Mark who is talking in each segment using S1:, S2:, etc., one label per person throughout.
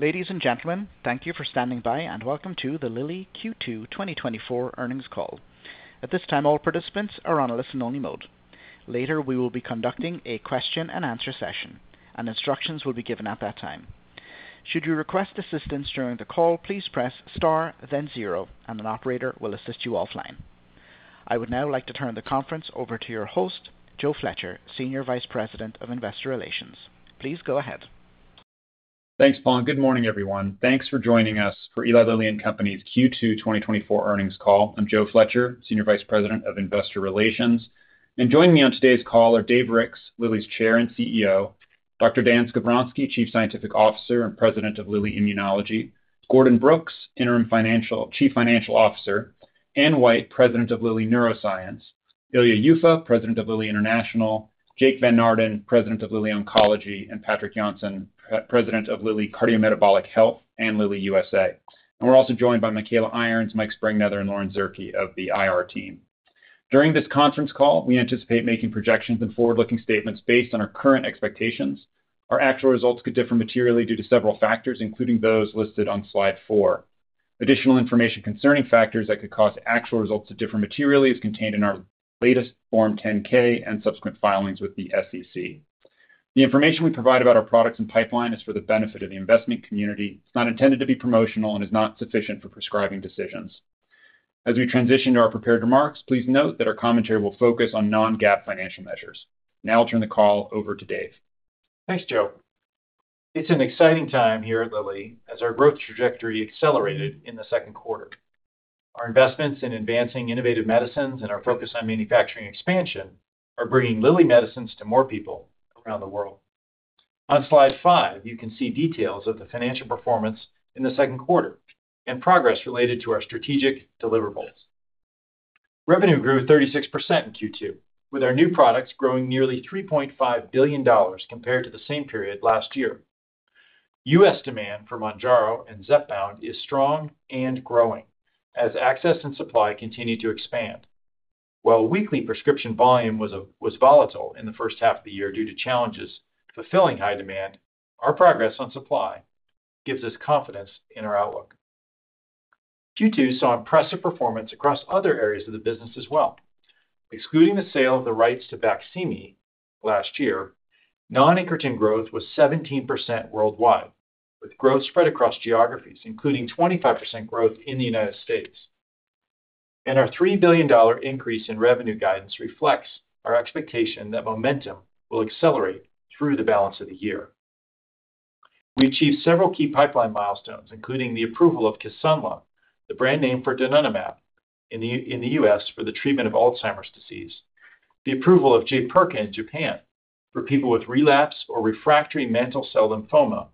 S1: Ladies and gentlemen, thank you for standing by, and welcome to the Lilly Q2 2024 Earnings Call. At this time, all participants are on a listen-only mode. Later, we will be conducting a question and answer session, and instructions will be given at that time. Should you request assistance during the call, please press star, then zero, and an operator will assist you offline. I would now like to turn the conference over to your host, Joe Fletcher, Senior Vice President of Investor Relations. Please go ahead.
S2: Thanks, Paul, and good morning, everyone. Thanks for joining us for Eli Lilly and Company's Q2 2024 Earnings call. I'm Joe Fletcher, Senior Vice President of Investor Relations, and joining me on today's call are Dave Ricks, Lilly's Chair and CEO, Dr. Dan Skovronsky, Chief Scientific Officer and President of Lilly Immunology, Gordon Brooks, Interim Chief Financial Officer, Anne White, President of Lilly Neuroscience, Ilya Yuffa, President of Lilly International, Jake Van Naarden, President of Lilly Oncology, and Patrik Jonsson, President of Lilly Cardiometabolic Health and Lilly USA. And we're also joined by Michaela Irons, Mike Sprengnether, and Lauren Zierke of the IR team. During this conference call, we anticipate making projections and forward-looking statements based on our current expectations. Our actual results could differ materially due to several factors, including those listed on Slide 4. Additional information concerning factors that could cause actual results to differ materially is contained in our latest Form 10-K and subsequent filings with the SEC. The information we provide about our products and pipeline is for the benefit of the investment community. It's not intended to be promotional and is not sufficient for prescribing decisions. As we transition to our prepared remarks, please note that our commentary will focus on non-GAAP financial measures. Now I'll turn the call over to Dave.
S3: Thanks, Joe. It's an exciting time here at Lilly as our growth trajectory accelerated in the second quarter. Our investments in advancing innovative medicines and our focus on manufacturing expansion are bringing Lilly medicines to more people around the world. On Slide 5, you can see details of the financial performance in the second quarter and progress related to our strategic deliverables. Revenue grew 36% in Q2, with our new products growing nearly $3.5 billion compared to the same period last year. U.S. demand for Mounjaro and Zepbound is strong and growing as access and supply continue to expand. While weekly prescription volume was volatile in the first half of the year due to challenges fulfilling high demand, our progress on supply gives us confidence in our outlook. Q2 saw impressive performance across other areas of the business as well. Excluding the sale of the rights to Baqsimi last year, non-incretin growth was 17% worldwide, with growth spread across geographies, including 25% growth in the United States. Our $3 billion increase in revenue guidance reflects our expectation that momentum will accelerate through the balance of the year. We achieved several key pipeline milestones, including the approval of Kisunla, the brand name for donanemab in the US for the treatment of Alzheimer's disease, the approval of Jaypirca in Japan for people with relapse or refractory mantle cell lymphoma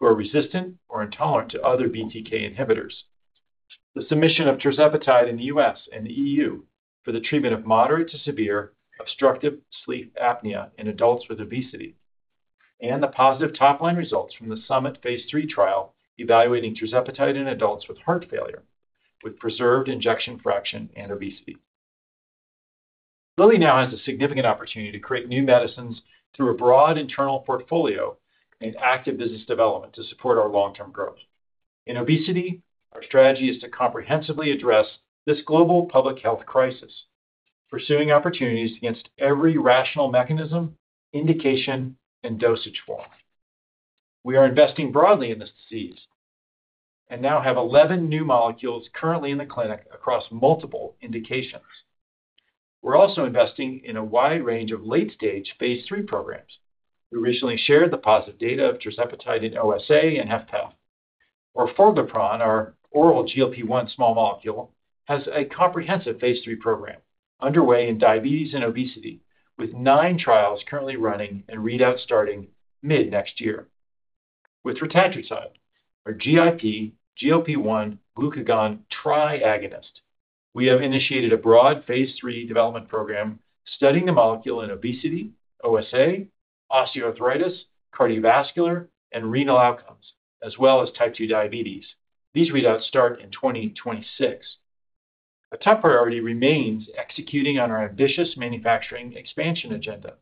S3: who are resistant or intolerant to other BTK inhibitors, the submission of tirzepatide in the US and the EU for the treatment of moderate to severe obstructive sleep apnea in adults with obesity, and the positive top-line results from the SUMMIT phase III trial evaluating tirzepatide in adults with heart failure with preserved ejection fraction and obesity. Lilly now has a significant opportunity to create new medicines through a broad internal portfolio and active business development to support our long-term growth. In obesity, our strategy is to comprehensively address this global public health crisis, pursuing opportunities against every rational mechanism, indication, and dosage form. We are investing broadly in this disease and now have 11 new molecules currently in the clinic across multiple indications. We're also investing in a wide range of late-stage Phase III programs. We recently shared the positive data of tirzepatide in OSA and HFpEF. Orforglipron, our oral GLP-1 small molecule, has a comprehensive Phase III program underway in diabetes and obesity, with nine trials currently running and readout starting mid-next year. With retatrutide, our GIP, GLP-1 glucagon tri-agonist, we have initiated a broad phase III development program studying the molecule in obesity, OSA, osteoarthritis, cardiovascular, and renal outcomes, as well as type 2 diabetes. These readouts start in 2026. A top priority remains executing on our ambitious manufacturing expansion agenda.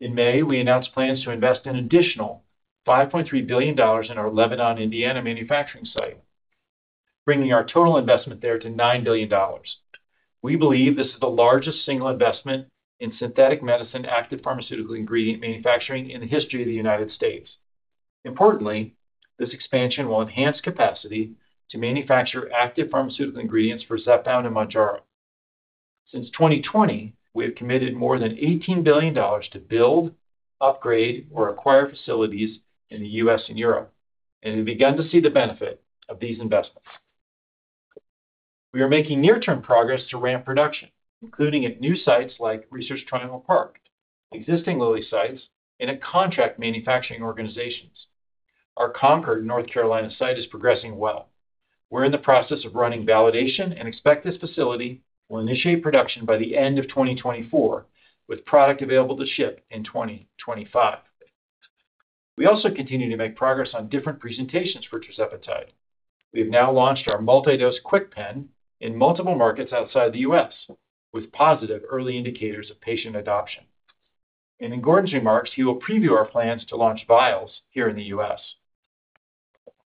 S3: In May, we announced plans to invest an additional $5.3 billion in our Lebanon, Indiana, manufacturing site, bringing our total investment there to $9 billion. We believe this is the largest single investment in synthetic medicine active pharmaceutical ingredient manufacturing in the history of the United States. Importantly, this expansion will enhance capacity to manufacture active pharmaceutical ingredients for Zepbound and Mounjaro. Since 2020, we have committed more than $18 billion to build, upgrade, or acquire facilities in the US and Europe, and we've begun to see the benefit of these investments. We are making near-term progress to ramp production, including at new sites like Research Triangle Park, existing Lilly sites, and at contract manufacturing organizations. Our Concord, North Carolina, site is progressing well. We're in the process of running validation and expect this facility will initiate production by the end of 2024, with product available to ship in 2025. We also continue to make progress on different presentations for tirzepatide.... We've now launched our multi-dose KwikPen in multiple markets outside the U.S., with positive early indicators of patient adoption. And in Gordon's remarks, he will preview our plans to launch vials here in the U.S.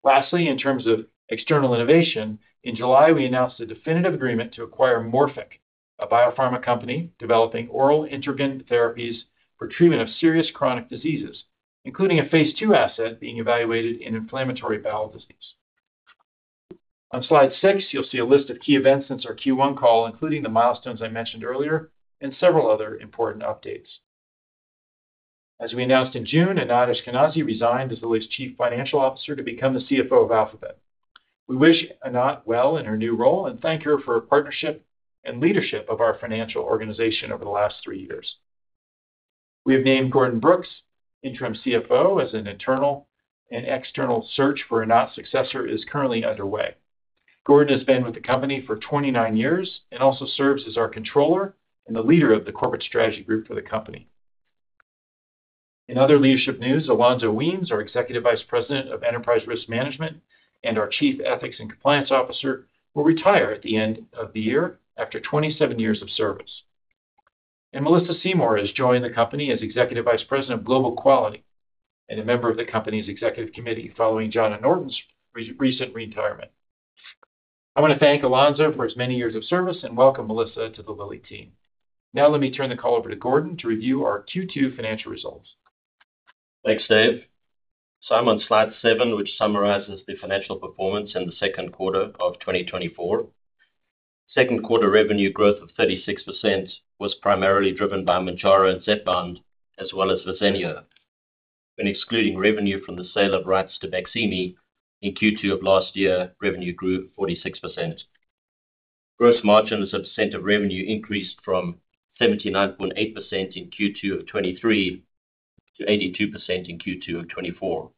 S3: Lastly, in terms of external innovation, in July, we announced a definitive agreement to acquire Morphic, a biopharma company developing oral integrin therapies for treatment of serious chronic diseases, including a phase II asset being evaluated in inflammatory bowel disease. On Slide 6, you'll see a list of key events since our Q1 call, including the milestones I mentioned earlier and several other important updates. As we announced in June, Anat Ashkenazi resigned as Lilly's Chief Financial Officer to become the CFO of Alphabet. We wish Anat well in her new role and thank her for her partnership and leadership of our financial organization over the last 3 years. We have named Gordon Brooks interim CFO, as an internal and external search for Anat's successor is currently underway. Gordon has been with the company for 29 years and also serves as our controller and the leader of the corporate strategy group for the company. In other leadership news, Alonzo Weems, our Executive Vice President of Enterprise Risk Management and our Chief Ethics and Compliance Officer, will retire at the end of the year after 27 years of service. Melissa Seymour has joined the company as Executive Vice President of Global Quality and a member of the company's executive committee, following Johna Norton's recent retirement. I want to thank Alonzo for his many years of service and welcome Melissa to the Lilly team. Now let me turn the call over to Gordon to review our Q2 financial results.
S4: Thanks, Dave. So I'm on Slide 7, which summarizes the financial performance in the second quarter of 2024. Second quarter revenue growth of 36% was primarily driven by Mounjaro and Zepbound, as well as Verzenio. When excluding revenue from the sale of rights to Baqsimi, in Q2 of last year, revenue grew 46%. Gross margins as a percent of revenue increased from 79.8% in Q2 of 2023, to 82% in Q2 of 2024.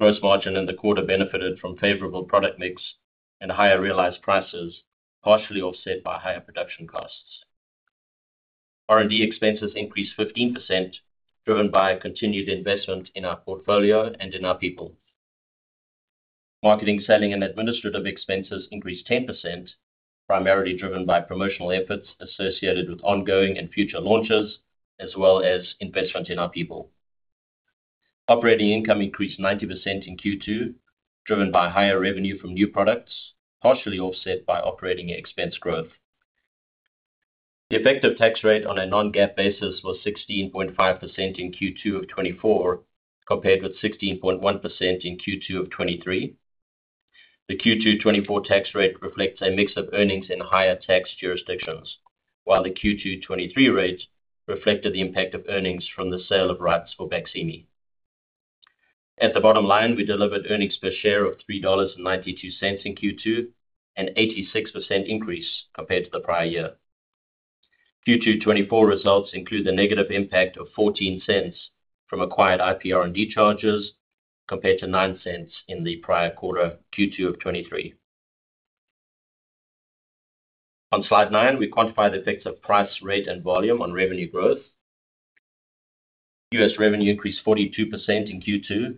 S4: Gross margin in the quarter benefited from favorable product mix and higher realized prices, partially offset by higher production costs. R&D expenses increased 15%, driven by a continued investment in our portfolio and in our people. Marketing, selling, and administrative expenses increased 10%, primarily driven by promotional efforts associated with ongoing and future launches, as well as investment in our people. Operating income increased 90% in Q2, driven by higher revenue from new products, partially offset by operating expense growth. The effective tax rate on a non-GAAP basis was 16.5% in Q2 of 2024, compared with 16.1% in Q2 of 2023. The Q2 2024 tax rate reflects a mix of earnings in higher tax jurisdictions, while the Q2 2023 rates reflected the impact of earnings from the sale of rights for Baqsimi. At the bottom line, we delivered earnings per share of $3.92 in Q2, an 86% increase compared to the prior year. Q2 2024 results include the negative impact of $0.14 from acquired IPR&D charges, compared to $0.09 in the prior quarter, Q2 of 2023. On Slide 9, we quantify the effects of price, rate, and volume on revenue growth. US revenue increased 42% in Q2.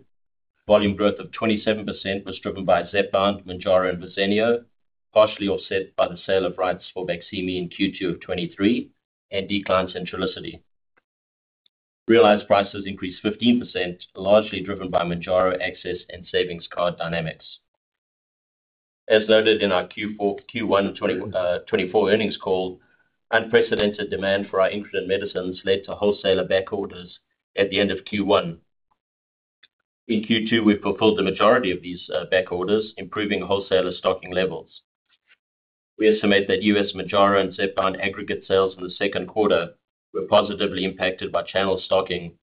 S4: Volume growth of 27% was driven by Zepbound, Mounjaro, and Verzenio, partially offset by the sale of rights for Baqsimi in Q2 of 2023 and declines in Trulicity. Realized prices increased 15%, largely driven by Mounjaro access and savings card dynamics. As noted in our Q1 2024 earnings call, unprecedented demand for our incretin medicines led to wholesaler back orders at the end of Q1. In Q2, we fulfilled the majority of these back orders, improving wholesaler stocking levels. We estimate that US Mounjaro and Zepbound aggregate sales in the second quarter were positively impacted by channel stocking,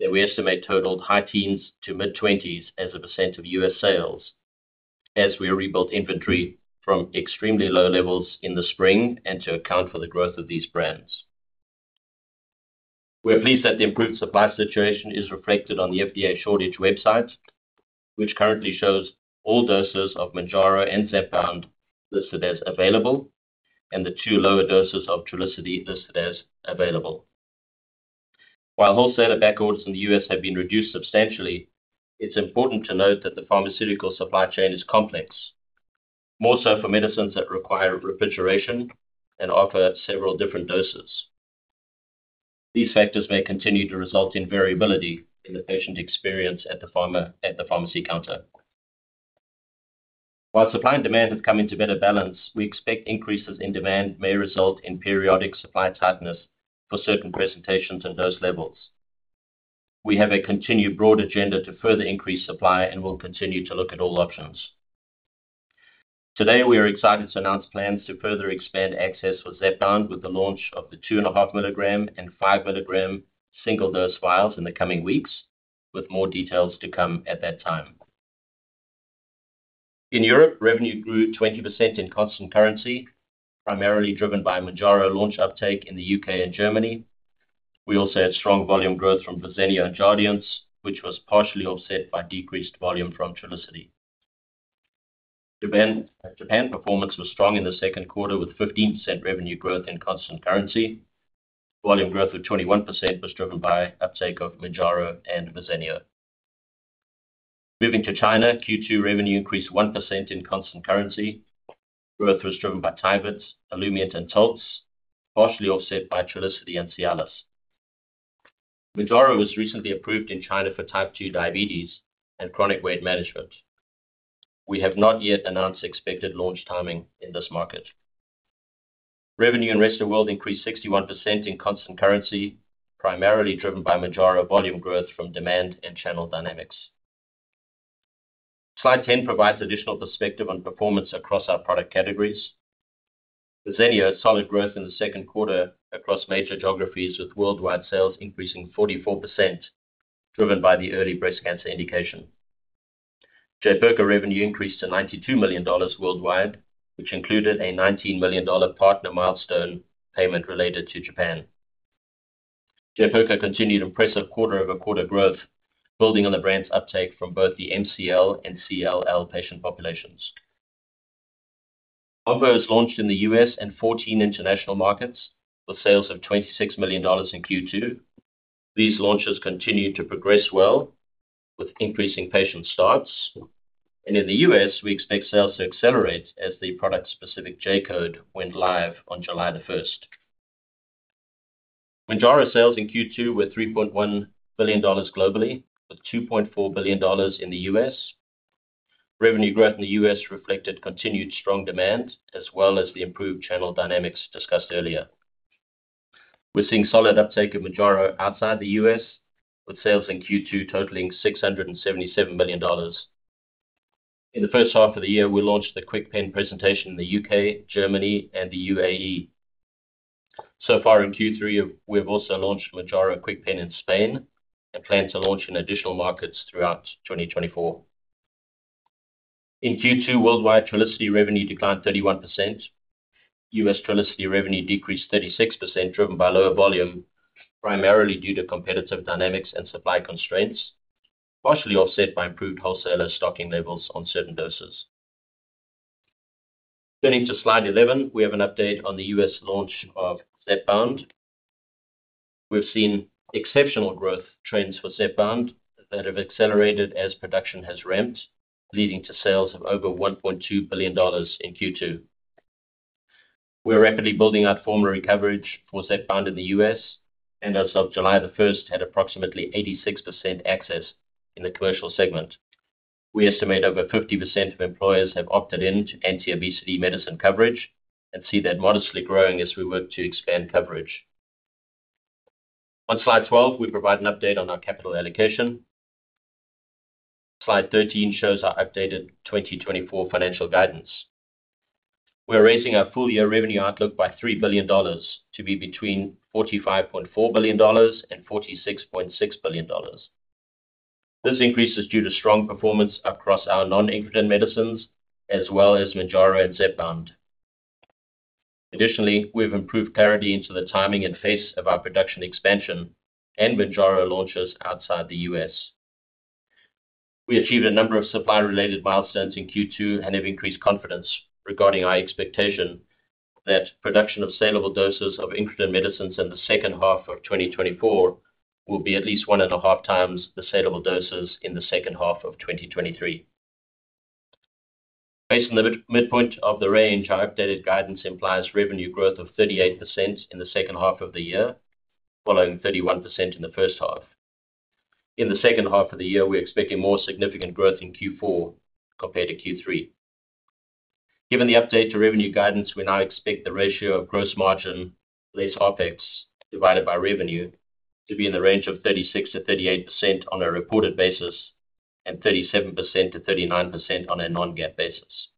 S4: that we estimate totaled high teens to mid-twenties as a % of US sales, as we rebuilt inventory from extremely low levels in the spring and to account for the growth of these brands. We are pleased that the improved supply situation is reflected on the FDA shortage website, which currently shows all doses of Mounjaro and Zepbound listed as available, and the two lower doses of Trulicity listed as available. While wholesaler back orders in the US have been reduced substantially, it's important to note that the pharmaceutical supply chain is complex, more so for medicines that require refrigeration and offer several different doses. These factors may continue to result in variability in the patient experience at the pharmacy counter. While supply and demand have come into better balance, we expect increases in demand may result in periodic supply tightness for certain presentations and dose levels. We have a continued broad agenda to further increase supply, and we'll continue to look at all options. Today, we are excited to announce plans to further expand access for Zepbound with the launch of the 2.5 milligram and 5 milligram single-dose vials in the coming weeks, with more details to come at that time. In Europe, revenue grew 20% in constant currency, primarily driven by Mounjaro launch uptake in the UK and Germany. We also had strong volume growth from Verzenio and Jardiance, which was partially offset by decreased volume from Trulicity. Japan performance was strong in the second quarter, with 15% revenue growth in constant currency. Volume growth of 21% was driven by uptake of Mounjaro and Verzenio. Moving to China, Q2 revenue increased 1% in constant currency. Growth was driven by Tyvyt, Olumiant, and Taltz, partially offset by Trulicity and Cialis. Mounjaro was recently approved in China for type 2 diabetes and chronic weight management. We have not yet announced expected launch timing in this market. Revenue in Rest of World increased 61% in constant currency, primarily driven by Mounjaro volume growth from demand and channel dynamics. Slide 10 provides additional perspective on performance across our product categories. Verzenio had solid growth in the second quarter across major geographies, with worldwide sales increasing 44%, driven by the early breast cancer indication. Jaypirca revenue increased to $92 million worldwide, which included a $19 million partner milestone payment related to Japan. Jaypirca continued impressive quarter-over-quarter growth, building on the brand's uptake from both the MCL and CLL patient populations. Omvoh was launched in the U.S. and 14 international markets, with sales of $26 million in Q2. These launches continue to progress well with increasing patient starts, and in the U.S., we expect sales to accelerate as the product-specific J-Code went live on July 1. Mounjaro sales in Q2 were $3.1 billion globally, with $2.4 billion in the U.S. Revenue growth in the U.S. reflected continued strong demand, as well as the improved channel dynamics discussed earlier. We're seeing solid uptake of Mounjaro outside the U.S., with sales in Q2 totaling $677 million. In the first half of the year, we launched the QuickPen presentation in the U.K., Germany, and the UAE. So far in Q3, we've also launched Mounjaro QuickPen in Spain and plan to launch in additional markets throughout 2024. In Q2, worldwide Trulicity revenue declined 31%. U.S. Trulicity revenue decreased 36%, driven by lower volume, primarily due to competitive dynamics and supply constraints, partially offset by improved wholesaler stocking levels on certain doses. Turning to Slide 11, we have an update on the U.S. launch of Zepbound. We've seen exceptional growth trends for Zepbound that have accelerated as production has ramped, leading to sales of over $1.2 billion in Q2. We are rapidly building out formulary coverage for Zepbound in the U.S., and as of July the first, had approximately 86% access in the commercial segment. We estimate over 50% of employers have opted in to anti-obesity medicine coverage and see that modestly growing as we work to expand coverage. On Slide 12, we provide an update on our capital allocation. Slide 13 shows our updated 2024 financial guidance. We're raising our full-year revenue outlook by $3 billion to be between $45.4 billion and $46.6 billion. This increase is due to strong performance across our non-incretin medicines as well as Mounjaro and Zepbound. Additionally, we've improved clarity into the timing and phase of our production expansion and Mounjaro launches outside the U.S. We achieved a number of supply-related milestones in Q2 and have increased confidence regarding our expectation that production of salable doses of incretin medicines in the second half of 2024 will be at least 1.5 times the salable doses in the second half of 2023. Based on the midpoint of the range, our updated guidance implies revenue growth of 38% in the second half of the year, following 31% in the first half. In the second half of the year, we're expecting more significant growth in Q4 compared to Q3. Given the update to revenue guidance, we now expect the ratio of gross margin less OpEx divided by revenue to be in the range of 36%-38% on a reported basis and 37%-39% on a non-GAAP basis.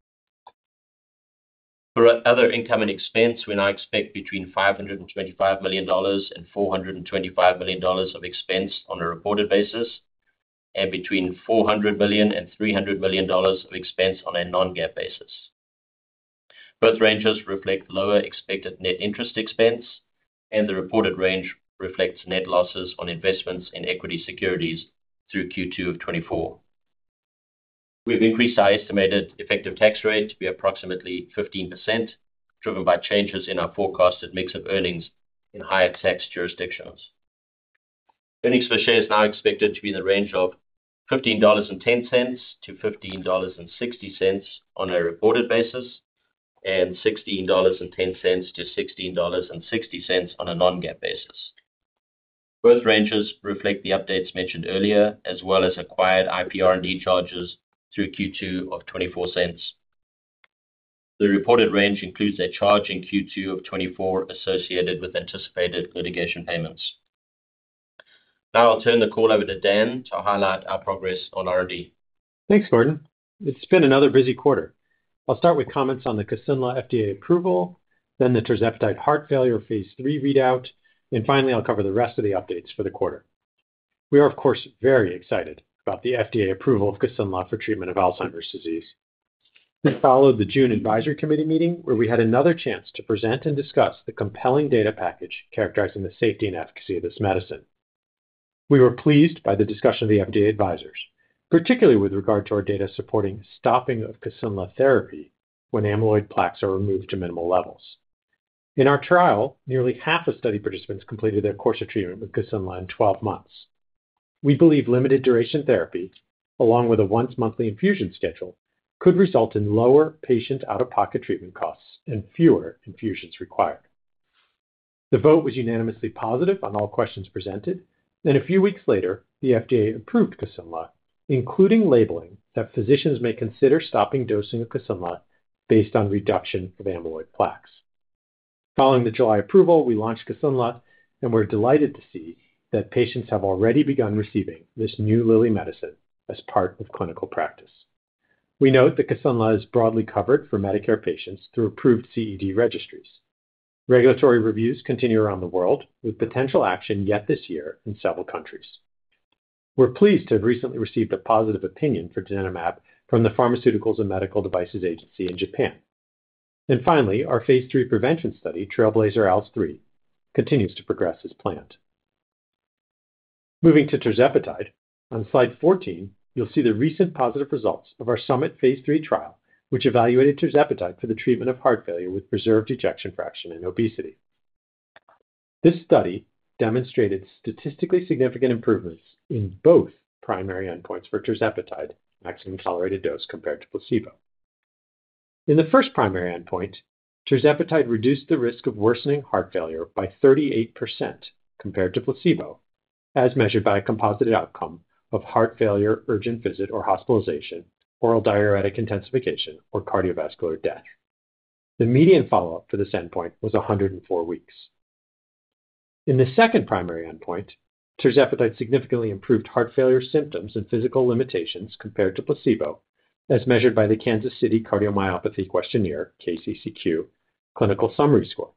S4: For our other income and expense, we now expect between $525 million and $425 million of expense on a reported basis, and between $400 million and $300 million of expense on a non-GAAP basis. Both ranges reflect lower expected net interest expense, and the reported range reflects net losses on investments in equity securities through 2Q 2024. We've increased our estimated effective tax rate to be approximately 15%, driven by changes in our forecasted mix of earnings in higher tax jurisdictions. Earnings per share is now expected to be in the range of $15.10-$15.60 on a reported basis, and $16.10-$16.60 on a non-GAAP basis. Both ranges reflect the updates mentioned earlier, as well as acquired IPR&D charges through Q2 of $0.24. The reported range includes a charge in Q2 of $0.24 associated with anticipated litigation payments. Now I'll turn the call over to Dan to highlight our progress on R&D.
S5: Thanks, Gordon. It's been another busy quarter. I'll start with comments on the Kisunla FDA approval, then the tirzepatide heart failure phase III readout, and finally, I'll cover the rest of the updates for the quarter. We are, of course, very excited about the FDA approval of Kisunla for treatment of Alzheimer's disease. This followed the June advisory committee meeting, where we had another chance to present and discuss the compelling data package characterizing the safety and efficacy of this medicine.... We were pleased by the discussion of the FDA advisors, particularly with regard to our data supporting stopping of Kisunla therapy when amyloid plaques are removed to minimal levels. In our trial, nearly half of study participants completed their course of treatment with Kisunla in 12 months. We believe limited duration therapy, along with a once monthly infusion schedule, could result in lower patient out-of-pocket treatment costs and fewer infusions required. The vote was unanimously positive on all questions presented, and a few weeks later, the FDA approved Kisunla, including labeling, that physicians may consider stopping dosing of Kisunla based on reduction of amyloid plaques. Following the July approval, we launched Kisunla, and we're delighted to see that patients have already begun receiving this new Lilly medicine as part of clinical practice. We note that Kisunla is broadly covered for Medicare patients through approved CED registries. Regulatory reviews continue around the world, with potential action yet this year in several countries. We're pleased to have recently received a positive opinion for donanemab from the Pharmaceuticals and Medical Devices Agency in Japan. And finally, our phase III prevention study, TRAILBLAZER-ALZ 3, continues to progress as planned. Moving to tirzepatide, on Slide 14, you'll see the recent positive results of our SUMMIT phase III trial, which evaluated tirzepatide for the treatment of heart failure with preserved ejection fraction and obesity. This study demonstrated statistically significant improvements in both primary endpoints for tirzepatide, maximum tolerated dose compared to placebo. In the first primary endpoint, tirzepatide reduced the risk of worsening heart failure by 38% compared to placebo, as measured by a composite outcome of heart failure, urgent visit or hospitalization, oral diuretic intensification, or cardiovascular death. The median follow-up for this endpoint was 104 weeks. In the second primary endpoint, tirzepatide significantly improved heart failure symptoms and physical limitations compared to placebo, as measured by the Kansas City Cardiomyopathy Questionnaire, KCCQ, clinical summary score.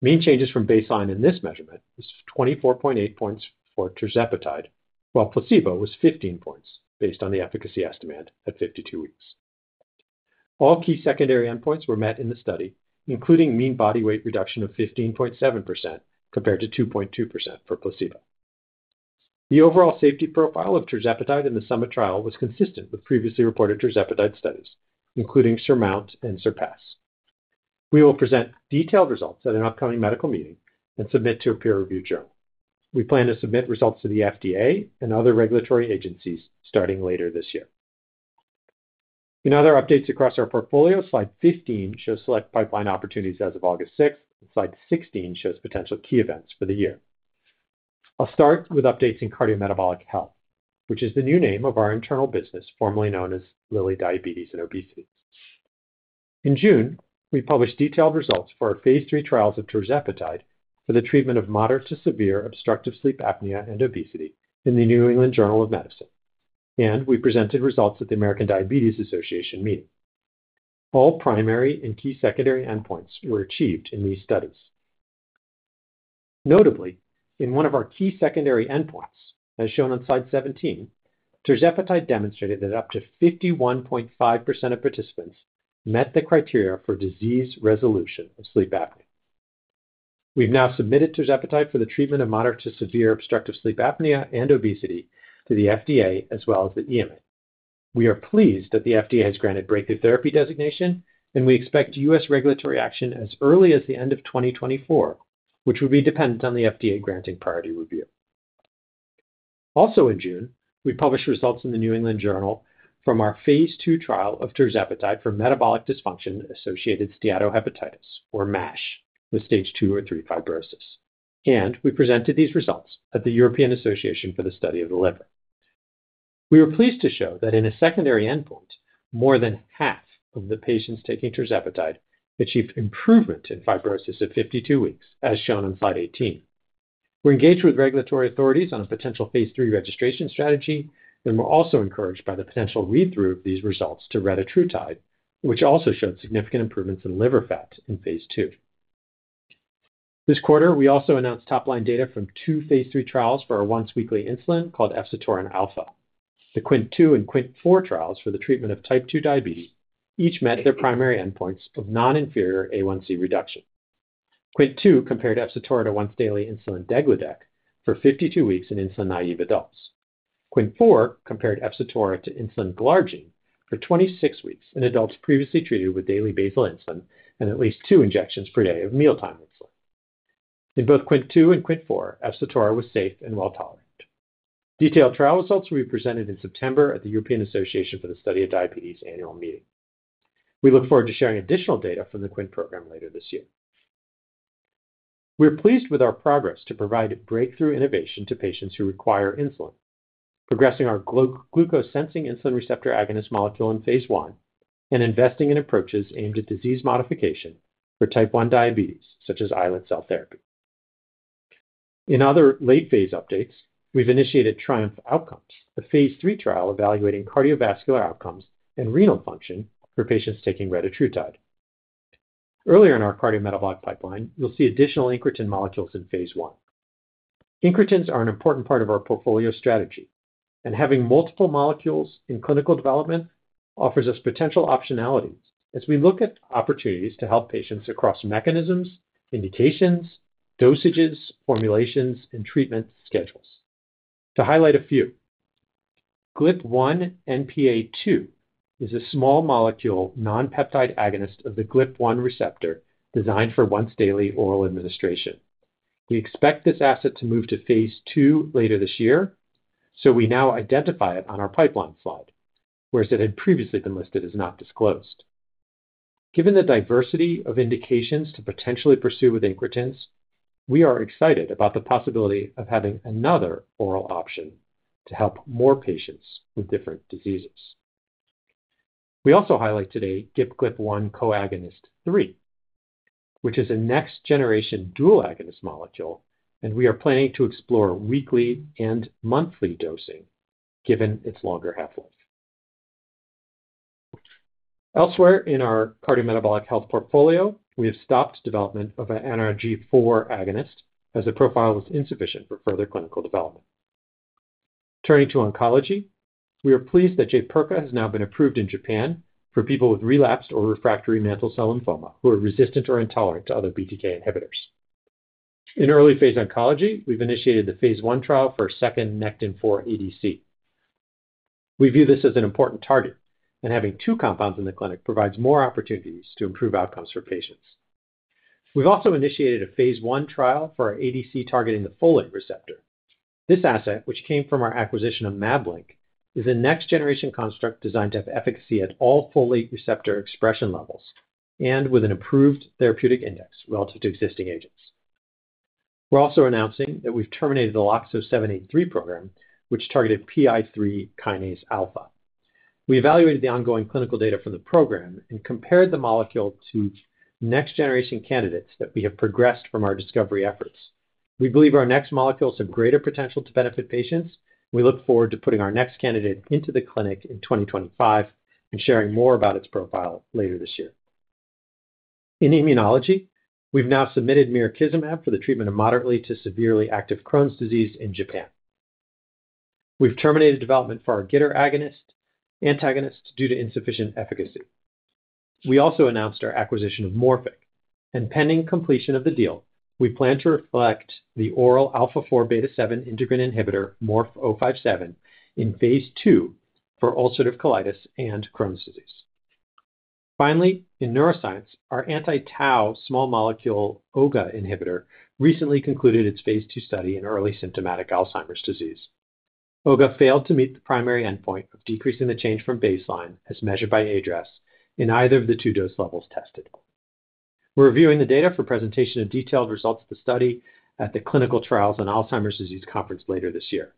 S5: Mean changes from baseline in this measurement is 24.8 points for tirzepatide, while placebo was 15 points, based on the efficacy estimate at 52 weeks. All key secondary endpoints were met in the study, including mean body weight reduction of 15.7%, compared to 2.2% for placebo. The overall safety profile of tirzepatide in the SUMMIT trial was consistent with previously reported tirzepatide studies, including SURMOUNT and SURPASS. We will present detailed results at an upcoming medical meeting and submit to a peer review journal. We plan to submit results to the FDA and other regulatory agencies starting later this year. In other updates across our portfolio, Slide 15 shows select pipeline opportunities as of August 6, and Slide 16 shows potential key events for the year. I'll start with updates in cardiometabolic health, which is the new name of our internal business, formerly known as Lilly Diabetes and Obesity. In June, we published detailed results for our phase III trials of tirzepatide for the treatment of moderate to severe obstructive sleep apnea and obesity in the New England Journal of Medicine, and we presented results at the American Diabetes Association meeting. All primary and key secondary endpoints were achieved in these studies. Notably, in one of our key secondary endpoints, as shown on Slide 17, tirzepatide demonstrated that up to 51.5% of participants met the criteria for disease resolution of sleep apnea. We've now submitted tirzepatide for the treatment of moderate to severe obstructive sleep apnea and obesity to the FDA, as well as the EMA. We are pleased that the FDA has granted Breakthrough Therapy Designation, and we expect US regulatory action as early as the end of 2024, which will be dependent on the FDA granting priority review. Also in June, we published results in the New England Journal from our phase II trial of tirzepatide for metabolic dysfunction-associated steatohepatitis, or MASH, with stage 2 or 3 fibrosis, and we presented these results at the European Association for the Study of the Liver. We were pleased to show that in a secondary endpoint, more than half of the patients taking tirzepatide achieved improvement in fibrosis at 52 weeks, as shown on Slide 18. We're engaged with regulatory authorities on a potential phase III registration strategy, and we're also encouraged by the potential read-through of these results to retatrutide, which also showed significant improvements in liver fat in phase II. This quarter, we also announced top-line data from two phase III trials for our once-weekly insulin called efsitora alfa. The QWINT-2 and QWINT-4 trials for the treatment of type 2 diabetes each met their primary endpoints of non-inferior A1C reduction. QWINT-2 efsitora alfa to once-daily insulin degludec for 52 weeks in insulin-naive adults. QWINT-4 efsitora alfa to insulin glargine for 26 weeks in adults previously treated with daily basal insulin and at least two injections per day of mealtime insulin. In both QWINT-2 and efsitora alfa was safe and well tolerated. Detailed trial results will be presented in September at the European Association for the Study of Diabetes annual meeting. We look forward to sharing additional data from the QWINT program later this year. We are pleased with our progress to provide breakthrough innovation to patients who require insulin, progressing our glucose-sensing insulin receptor agonist molecule in phase I and investing in approaches aimed at disease modification for type 1 diabetes, such as islet cell therapy. In other late-phase updates, we've initiated TRIUMPH OUTCOMES, the phase III trial evaluating cardiovascular outcomes and renal function for patients taking retatrutide. Earlier in our cardiometabolic pipeline, you'll see additional incretin molecules in phase I. Incretins are an important part of our portfolio strategy... and having multiple molecules in clinical development offers us potential optionalities as we look at opportunities to help patients across mechanisms, indications, dosages, formulations, and treatment schedules. To highlight a few, GLP-1 NPA2 is a small molecule, non-peptide agonist of the GLP-1 receptor designed for once-daily oral administration. We expect this asset to move to phase II later this year, so we now identify it on our pipeline slide, whereas it had previously been listed as not disclosed. Given the diversity of indications to potentially pursue with incretins, we are excited about the possibility of having another oral option to help more patients with different diseases. We also highlight today, dual GLP-1 co-agonist III, which is a next generation dual agonist molecule, and we are planning to explore weekly and monthly dosing given its longer half-life. Elsewhere in our cardiometabolic health portfolio, we have stopped development of an NRG4 agonist as the profile was insufficient for further clinical development. Turning to oncology, we are pleased that Jaypirca has now been approved in Japan for people with relapsed or refractory mantle cell lymphoma, who are resistant or intolerant to other BTK inhibitors. In early phase oncology, we've initiated the phase I trial for second Nectin-4 ADC. We view this as an important target, and having two compounds in the clinic provides more opportunities to improve outcomes for patients. We've also initiated a phase I trial for our ADC targeting the folate receptor. This asset, which came from our acquisition of MabLink, is a next generation construct designed to have efficacy at all folate receptor expression levels and with an improved therapeutic index relative to existing agents. We're also announcing that we've terminated the LOXO-783 program, which targeted PI3 kinase alpha. We evaluated the ongoing clinical data for the program and compared the molecule to next generation candidates that we have progressed from our discovery efforts. We believe our next molecules have greater potential to benefit patients. We look forward to putting our next candidate into the clinic in 2025 and sharing more about its profile later this year. In immunology, we've now submitted mirikizumab for the treatment of moderately to severely active Crohn's disease in Japan. We've terminated development for our GITR agonist antagonist due to insufficient efficacy. We also announced our acquisition of Morphic, and pending completion of the deal, we plan to reflect the oral alpha 4 beta 7 integrin inhibitor MORF-057 in phase II for ulcerative colitis and Crohn's disease. Finally, in neuroscience, our anti-tau small molecule OGA inhibitor recently concluded its phase II study in early symptomatic Alzheimer's disease. OGA failed to meet the primary endpoint of decreasing the change from baseline, as measured by iADRS, in either of the 2 dose levels tested. We're reviewing the data for presentation of detailed results of the study at the Clinical Trials and Alzheimer's Disease conference later this year.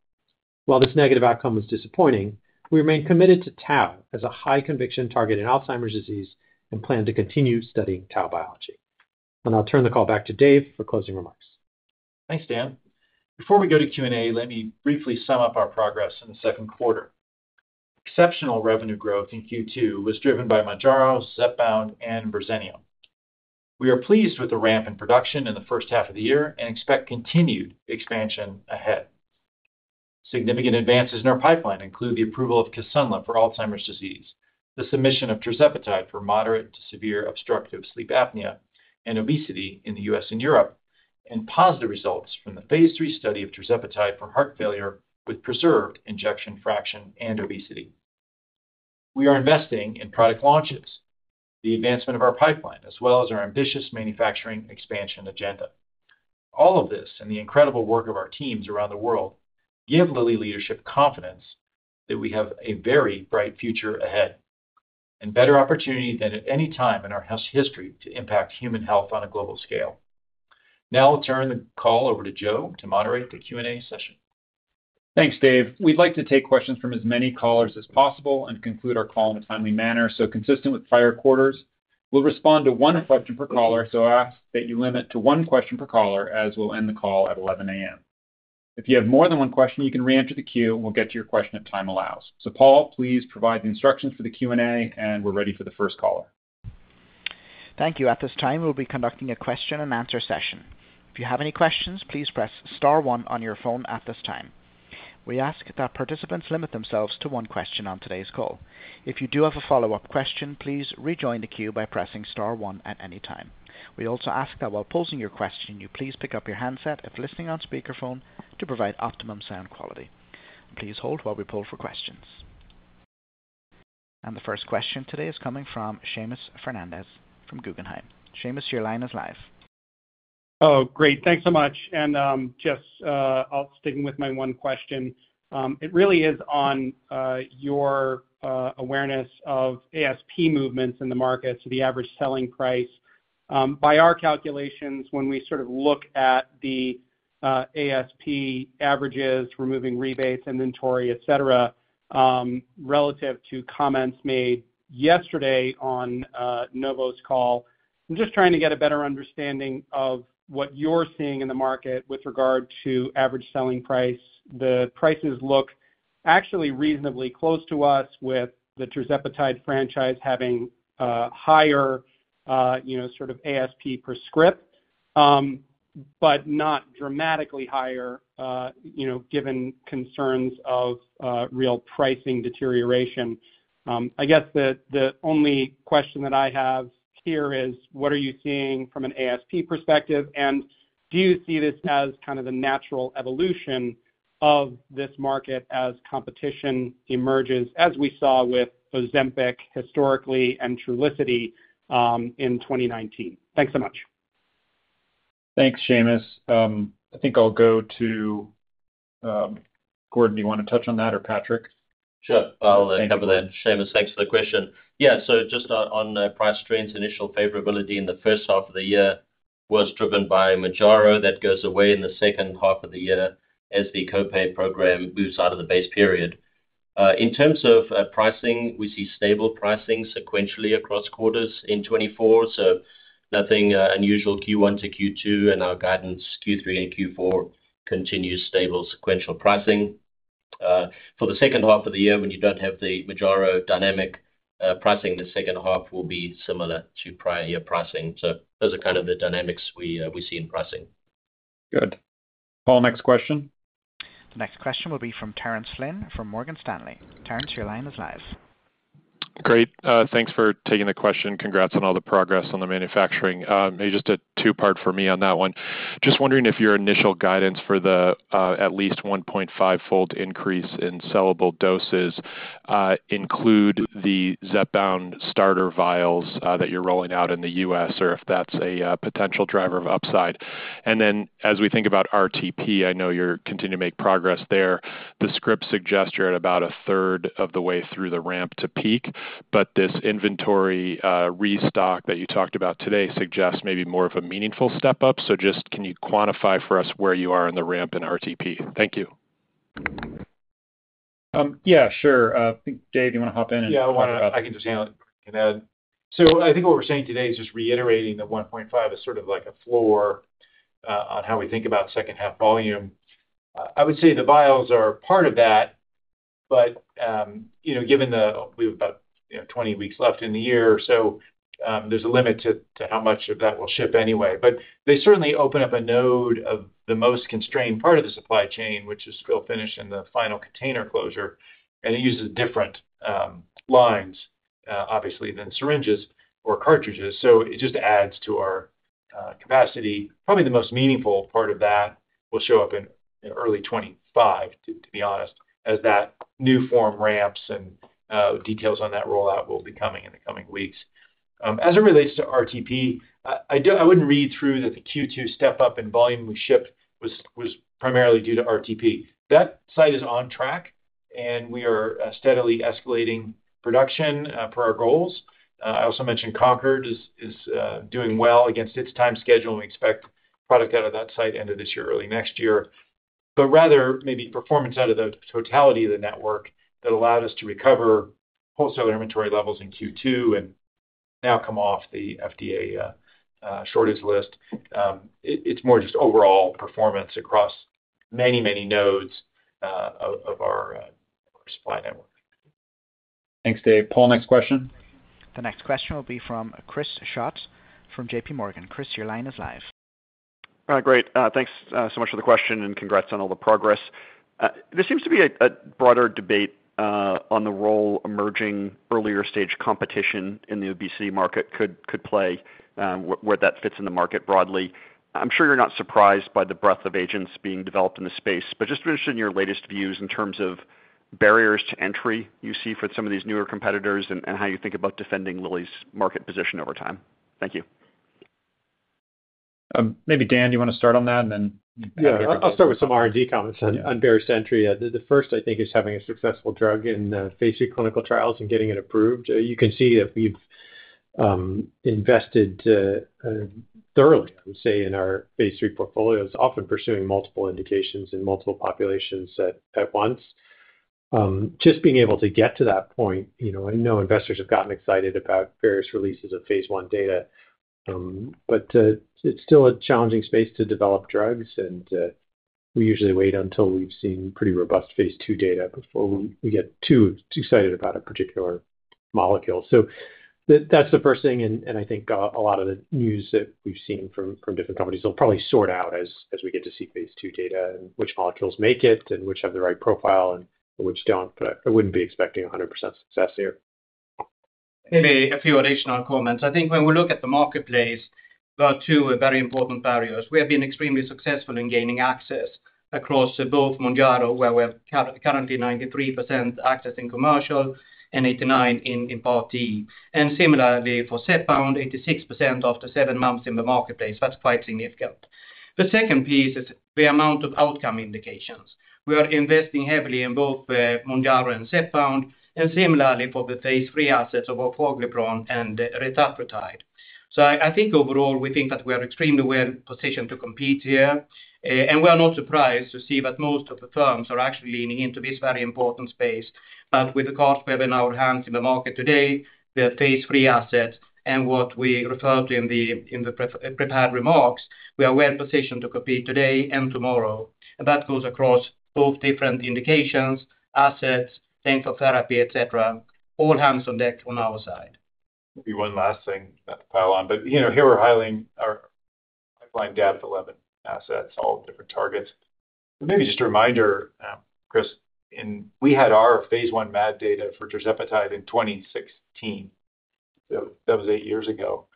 S5: While this negative outcome was disappointing, we remain committed to tau as a high conviction target in Alzheimer's disease and plan to continue studying tau biology. I'll turn the call back to Dave for closing remarks.
S3: Thanks, Dan. Before we go to Q&A, let me briefly sum up our progress in the second quarter. Exceptional revenue growth in Q2 was driven by Mounjaro, Zepbound, and Verzenio. We are pleased with the ramp in production in the first half of the year and expect continued expansion ahead. Significant advances in our pipeline include the approval of Kisunla for Alzheimer's disease, the submission of tirzepatide for moderate to severe obstructive sleep apnea and obesity in the U.S. and Europe, and positive results from the phase III study of tirzepatide for heart failure with preserved ejection fraction and obesity. We are investing in product launches, the advancement of our pipeline, as well as our ambitious manufacturing expansion agenda. All of this, and the incredible work of our teams around the world, give Lilly leadership confidence that we have a very bright future ahead and better opportunity than at any time in our house history to impact human health on a global scale. Now I'll turn the call over to Joe to moderate the Q&A session.
S2: Thanks, Dave. We'd like to take questions from as many callers as possible and conclude our call in a timely manner. So consistent with prior quarters, we'll respond to one question per caller, so I ask that you limit to one question per caller, as we'll end the call at 11:00 A.M. If you have more than one question, you can reenter the queue, and we'll get to your question if time allows. So, Paul, please provide the instructions for the Q&A, and we're ready for the first caller.
S1: Thank you. At this time, we'll be conducting a question and answer session. If you have any questions, please press star one on your phone at this time. We ask that participants limit themselves to one question on today's call. If you do have a follow-up question, please rejoin the queue by pressing star one at any time. We also ask that while posing your question, you please pick up your handset if listening on speakerphone to provide optimum sound quality. Please hold while we pull for questions. The first question today is coming from Seamus Fernandez from Guggenheim. Seamus, your line is live.
S6: Oh, great. Thanks so much, and just, I'll stick with my one question. It really is on your awareness of ASP movements in the market, so the average selling price. By our calculations, when we sort of look at the ASP averages, removing rebates, inventory, et cetera, relative to comments made yesterday on Novo's call, I'm just trying to get a better understanding of what you're seeing in the market with regard to average selling price. The prices look actually reasonably close to us with the tirzepatide franchise having higher, you know, sort of ASP per script.... but not dramatically higher, you know, given concerns of real pricing deterioration. I guess the only question that I have here is, what are you seeing from an ASP perspective? And do you see this as kind of the natural evolution of this market as competition emerges, as we saw with Ozempic historically and Trulicity in 2019? Thanks so much.
S2: Thanks, Seamus. I think I'll go to, Gordon, do you want to touch on that, or Patrik?
S4: Sure, I'll cover that. Seamus, thanks for the question. Yeah, so just on, on, price trends, initial favorability in the first half of the year was driven by Mounjaro. That goes away in the second half of the year as the co-pay program moves out of the base period. In terms of pricing, we see stable pricing sequentially across quarters in 2024, so nothing unusual Q1 to Q2, and our guidance Q3 and Q4 continues stable sequential pricing. For the second half of the year, when you don't have the Mounjaro dynamic, pricing, the second half will be similar to prior year pricing. So those are kind of the dynamics we, we see in pricing.
S2: Good. Paul, next question?
S1: The next question will be from Terence Flynn from Morgan Stanley. Terence, your line is live.
S7: Great. Thanks for taking the question. Congrats on all the progress on the manufacturing. Maybe just a two-part for me on that one. Just wondering if your initial guidance for the, at least 1.5-fold increase in sellable doses, include the Zepbound starter vials that you're rolling out in the U.S., or if that's a potential driver of upside. And then, as we think about RTP, I know you're continuing to make progress there. The scripts suggest you're at about a third of the way through the ramp to peak, but this inventory restock that you talked about today suggests maybe more of a meaningful step-up. So just can you quantify for us where you are in the ramp in RTP? Thank you.
S2: Yeah, sure. I think, Dave, you want to hop in?
S3: Yeah, I can just handle it and add. So I think what we're saying today is just reiterating the 1.5 is sort of like a floor on how we think about second half volume. I would say the vials are part of that, but, you know, given the, we have about, you know, 20 weeks left in the year, so, there's a limit to how much of that will ship anyway. But they certainly open up a node of the most constrained part of the supply chain, which is still finished in the final container closure, and it uses different, lines, obviously, than syringes or cartridges. So it just adds to our, capacity. Probably the most meaningful part of that will show up in early 2025, to be honest, as that new form ramps and details on that rollout will be coming in the coming weeks. As it relates to RTP, I do. I wouldn't read through that the Q2 step up in volume we shipped was primarily due to RTP. That site is on track, and we are steadily escalating production per our goals. I also mentioned Concord is doing well against its time schedule, and we expect product out of that site end of this year, early next year. But rather, maybe performance out of the totality of the network that allowed us to recover wholesaler inventory levels in Q2 and now come off the FDA shortage list. It's more just overall performance across many, many nodes of our supply network.
S2: Thanks, Dave. Paul, next question.
S1: The next question will be from Chris Schott from J.P. Morgan. Chris, your line is live.
S8: Great. Thanks so much for the question, and congrats on all the progress. There seems to be a broader debate on the role emerging earlier stage competition in the OBC market could play, where that fits in the market broadly. I'm sure you're not surprised by the breadth of agents being developed in this space, but just finish in your latest views in terms of barriers to entry you see for some of these newer competitors, and how you think about defending Lilly's market position over time. Thank you.
S2: Maybe, Dan, do you want to start on that, and then-
S3: Yeah, I'll start with some R&D comments on barriers to entry. The first, I think, is having a successful drug in phase III clinical trials and getting it approved. You can see that we've invested thoroughly, I would say, in our phase III portfolios, often pursuing multiple indications in multiple populations at once. Just being able to get to that point, you know, I know investors have gotten excited about various releases of phase I data, but it's still a challenging space to develop drugs, and we usually wait until we've seen pretty robust phase II data before we get too excited about a particular molecule. So that's the first thing, and I think a lot of the news that we've seen from different companies will probably sort out as we get to see phase two data, and which molecules make it and which have the right profile and which don't. But I wouldn't be expecting 100% success here.
S9: Maybe a few additional comments. I think when we look at the marketplace, there are two very important barriers. We have been extremely successful in gaining access across both Mounjaro, where we have currently 93% access in commercial and 89 in Part D. Similarly, for Zepbound, 86% after 7 months in the marketplace. That's quite significant. The second piece is the amount of outcome indications. We are investing heavily in both Mounjaro and Zepbound, and similarly for the phase three assets of our Orforglipron and retatrutide. So I think overall, we think that we are extremely well positioned to compete here, and we are not surprised to see that most of the firms are actually leaning into this very important space. With the cost we have in our hands in the market today, the phase III assets and what we referred to in the prepared remarks, we are well positioned to compete today and tomorrow. That goes across both different indications, assets, length of therapy, et cetera. All hands on deck on our side.
S2: Maybe one last thing not to pile on, but, you know, here we're highlighting our-...
S3: pipeline gap of 11 assets, all different targets. But maybe just a reminder, Chris, we had our phase I MAD data for tirzepatide in 2016. So that was 8 years ago.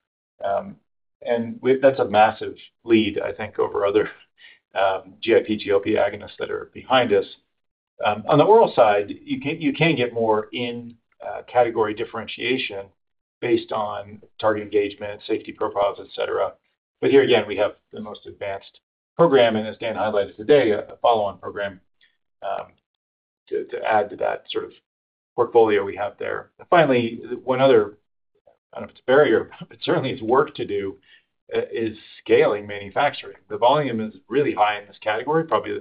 S3: And that's a massive lead, I think, over other, GIP, GLP agonists that are behind us. On the oral side, you can get more in, category differentiation based on target engagement, safety profiles, et cetera. But here, again, we have the most advanced program, and as Dan highlighted today, a follow-on program, to add to that sort of portfolio we have there. Finally, one other, I don't know if it's a barrier, but certainly it's work to do, is scaling manufacturing. The volume is really high in this category. Probably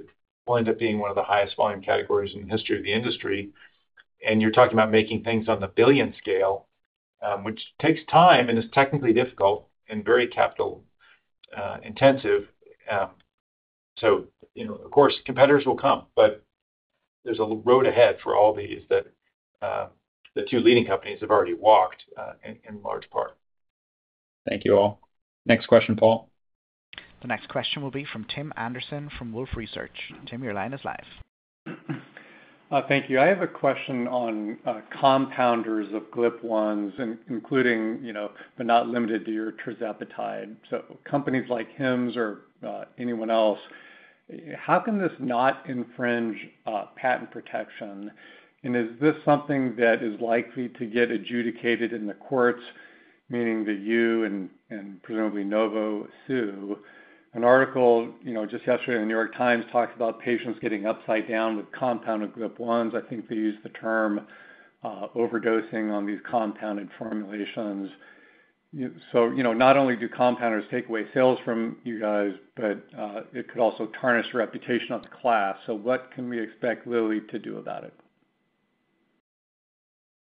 S3: will end up being one of the highest volume categories in the history of the industry, and you're talking about making things on the billion scale, which takes time and is technically difficult and very capital intensive. So, you know, of course, competitors will come, but there's a road ahead for all these that the two leading companies have already walked in large part.
S2: Thank you all. Next question, Paul.
S1: The next question will be from Tim Anderson from Wolfe Research. Tim, your line is live.
S10: Thank you. I have a question on compounders of GLP-1s, including, you know, but not limited to your tirzepatide. So companies like Hims or anyone else, how can this not infringe patent protection? And is this something that is likely to get adjudicated in the courts, meaning that you and presumably Novo sue? An article, you know, just yesterday in The New York Times talked about patients getting upside down with compounded GLP-1s. I think they used the term overdosing on these compounded formulations. So, you know, not only do compounders take away sales from you guys, but it could also tarnish the reputation of the class. So what can we expect Lilly to do about it?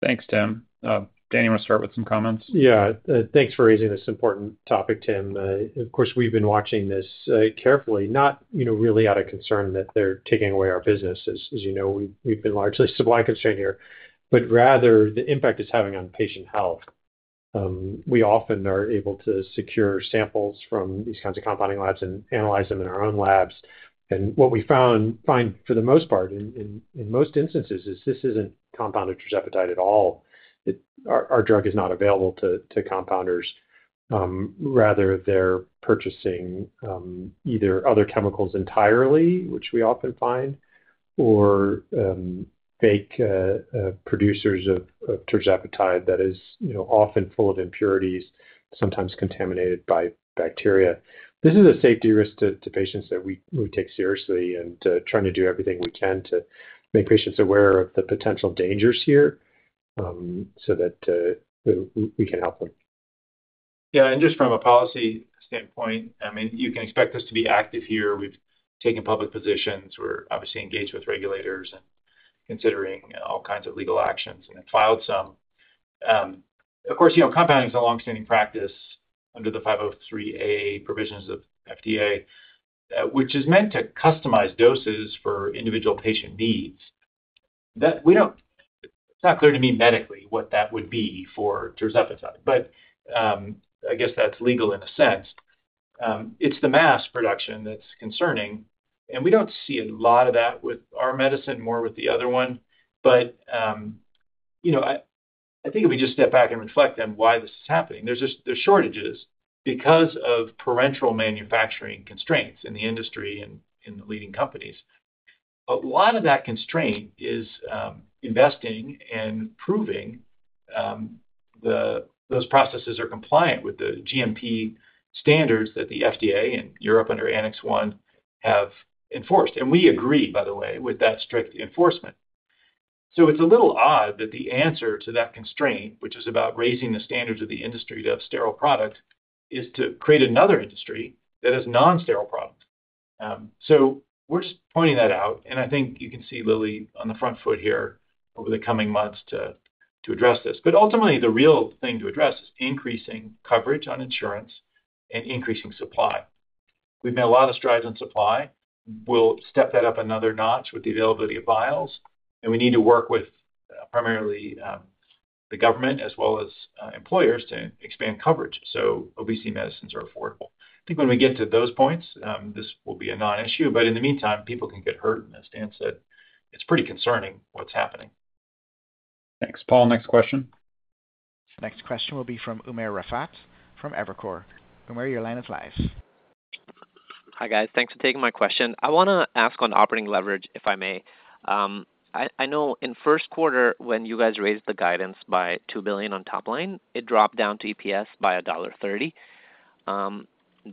S2: Thanks, Tim. Dan, you want to start with some comments?
S5: Yeah. Thanks for raising this important topic, Tim. Of course, we've been watching this carefully, not, you know, really out of concern that they're taking away our business. As you know, we've been largely supply constrained here, but rather the impact it's having on patient health. We often are able to secure samples from these kinds of compounding labs and analyze them in our own labs. And what we find, for the most part, in most instances, is this isn't compounded tirzepatide at all. Our drug is not available to compounders. Rather, they're purchasing either other chemicals entirely, which we often find, or fake producers of tirzepatide that is, you know, often full of impurities, sometimes contaminated by bacteria. This is a safety risk to patients that we take seriously and trying to do everything we can to make patients aware of the potential dangers here, so that we can help them.
S3: Yeah, and just from a policy standpoint, I mean, you can expect us to be active here. We've taken public positions. We're obviously engaged with regulators and considering all kinds of legal actions and have filed some. Of course, you know, compounding is a long-standing practice under the 503A provisions of FDA, which is meant to customize doses for individual patient needs. That we don't—it's not clear to me medically what that would be for tirzepatide, but, I guess that's legal in a sense. It's the mass production that's concerning, and we don't see a lot of that with our medicine, more with the other one. You know, I think if we just step back and reflect on why this is happening, there's just—there's shortages because of parenteral manufacturing constraints in the industry and in the leading companies. A lot of that constraint is investing and proving those processes are compliant with the GMP standards that the FDA and Europe under Annex 1 have enforced. And we agree, by the way, with that strict enforcement. So it's a little odd that the answer to that constraint, which is about raising the standards of the industry to have sterile product, is to create another industry that has non-sterile product. So we're just pointing that out, and I think you can see Lilly on the front foot here over the coming months to address this. But ultimately, the real thing to address is increasing coverage on insurance and increasing supply. We've made a lot of strides on supply. We'll step that up another notch with the availability of vials, and we need to work with primarily, the government as well as, employers to expand coverage, so obesity medicines are affordable. I think when we get to those points, this will be a non-issue, but in the meantime, people can get hurt, and as Dan said, it's pretty concerning what's happening.
S2: Thanks, Paul. Next question.
S1: The next question will be from Umer Raffat from Evercore. Umair, your line is live. Hi, guys. Thanks for taking my question. I wanna ask on operating leverage, if I may. I know in first quarter, when you guys raised the guidance by $2 billion on top line, it dropped down to EPS by $1.30.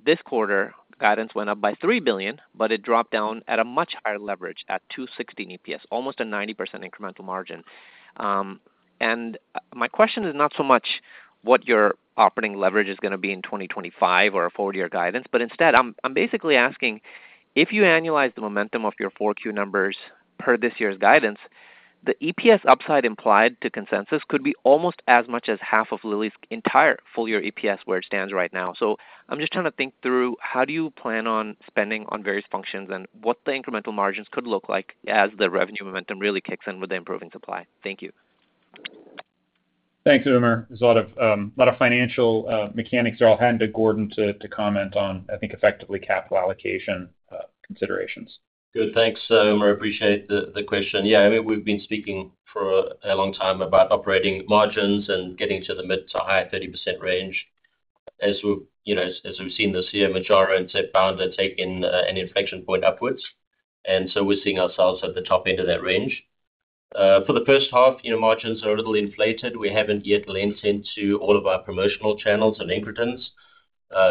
S1: This quarter, guidance went up by $3 billion, but it dropped down at a much higher leverage at 2.16 EPS, almost a 90% incremental margin. My question is not so much what your operating leverage is gonna be in 2025 or a forward year guidance, but instead, I'm basically asking, if you annualize the momentum of your 4Q numbers per this year's guidance, the EPS upside implied to consensus could be almost as much as half of Lilly's entire full year EPS, where it stands right now. I'm just trying to think through, how do you plan on spending on various functions and what the incremental margins could look like as the revenue momentum really kicks in with the improving supply? Thank you....
S2: Thanks, Umer. There's a lot of, a lot of financial mechanics that I'll hand to Gordon to comment on, I think, effectively capital allocation considerations.
S4: Good. Thanks, Umair. I appreciate the question. Yeah, I mean, we've been speaking for a long time about operating margins and getting to the mid- to high-30% range. As we've, you know, as we've seen this year, Mounjaro and Zepbound, they're taking an inflection point upwards, and so we're seeing ourselves at the top end of that range. For the first half, you know, margins are a little inflated. We haven't yet leaned into all of our promotional channels on incretins.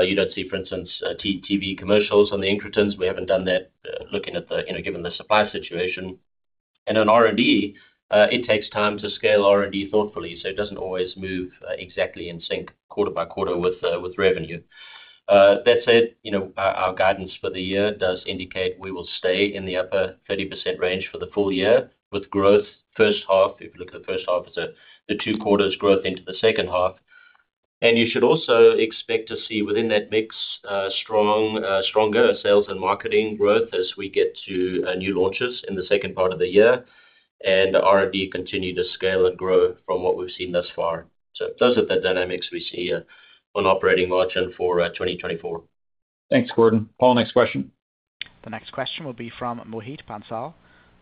S4: You don't see, for instance, TV commercials on the incretins. We haven't done that, looking at the, you know, given the supply situation. And on R&D, it takes time to scale R&D thoughtfully, so it doesn't always move exactly in sync quarter by quarter with revenue. That said, you know, our guidance for the year does indicate we will stay in the upper 30% range for the full year, with growth first half, if you look at the first half, is the two quarters growth into the second half. And you should also expect to see within that mix, stronger sales and marketing growth as we get to new launches in the second part of the year, and R&D continue to scale and grow from what we've seen thus far. So those are the dynamics we see, on operating margin for 2024.
S2: Thanks, Gordon. Paul, next question.
S1: The next question will be from Mohit Bansal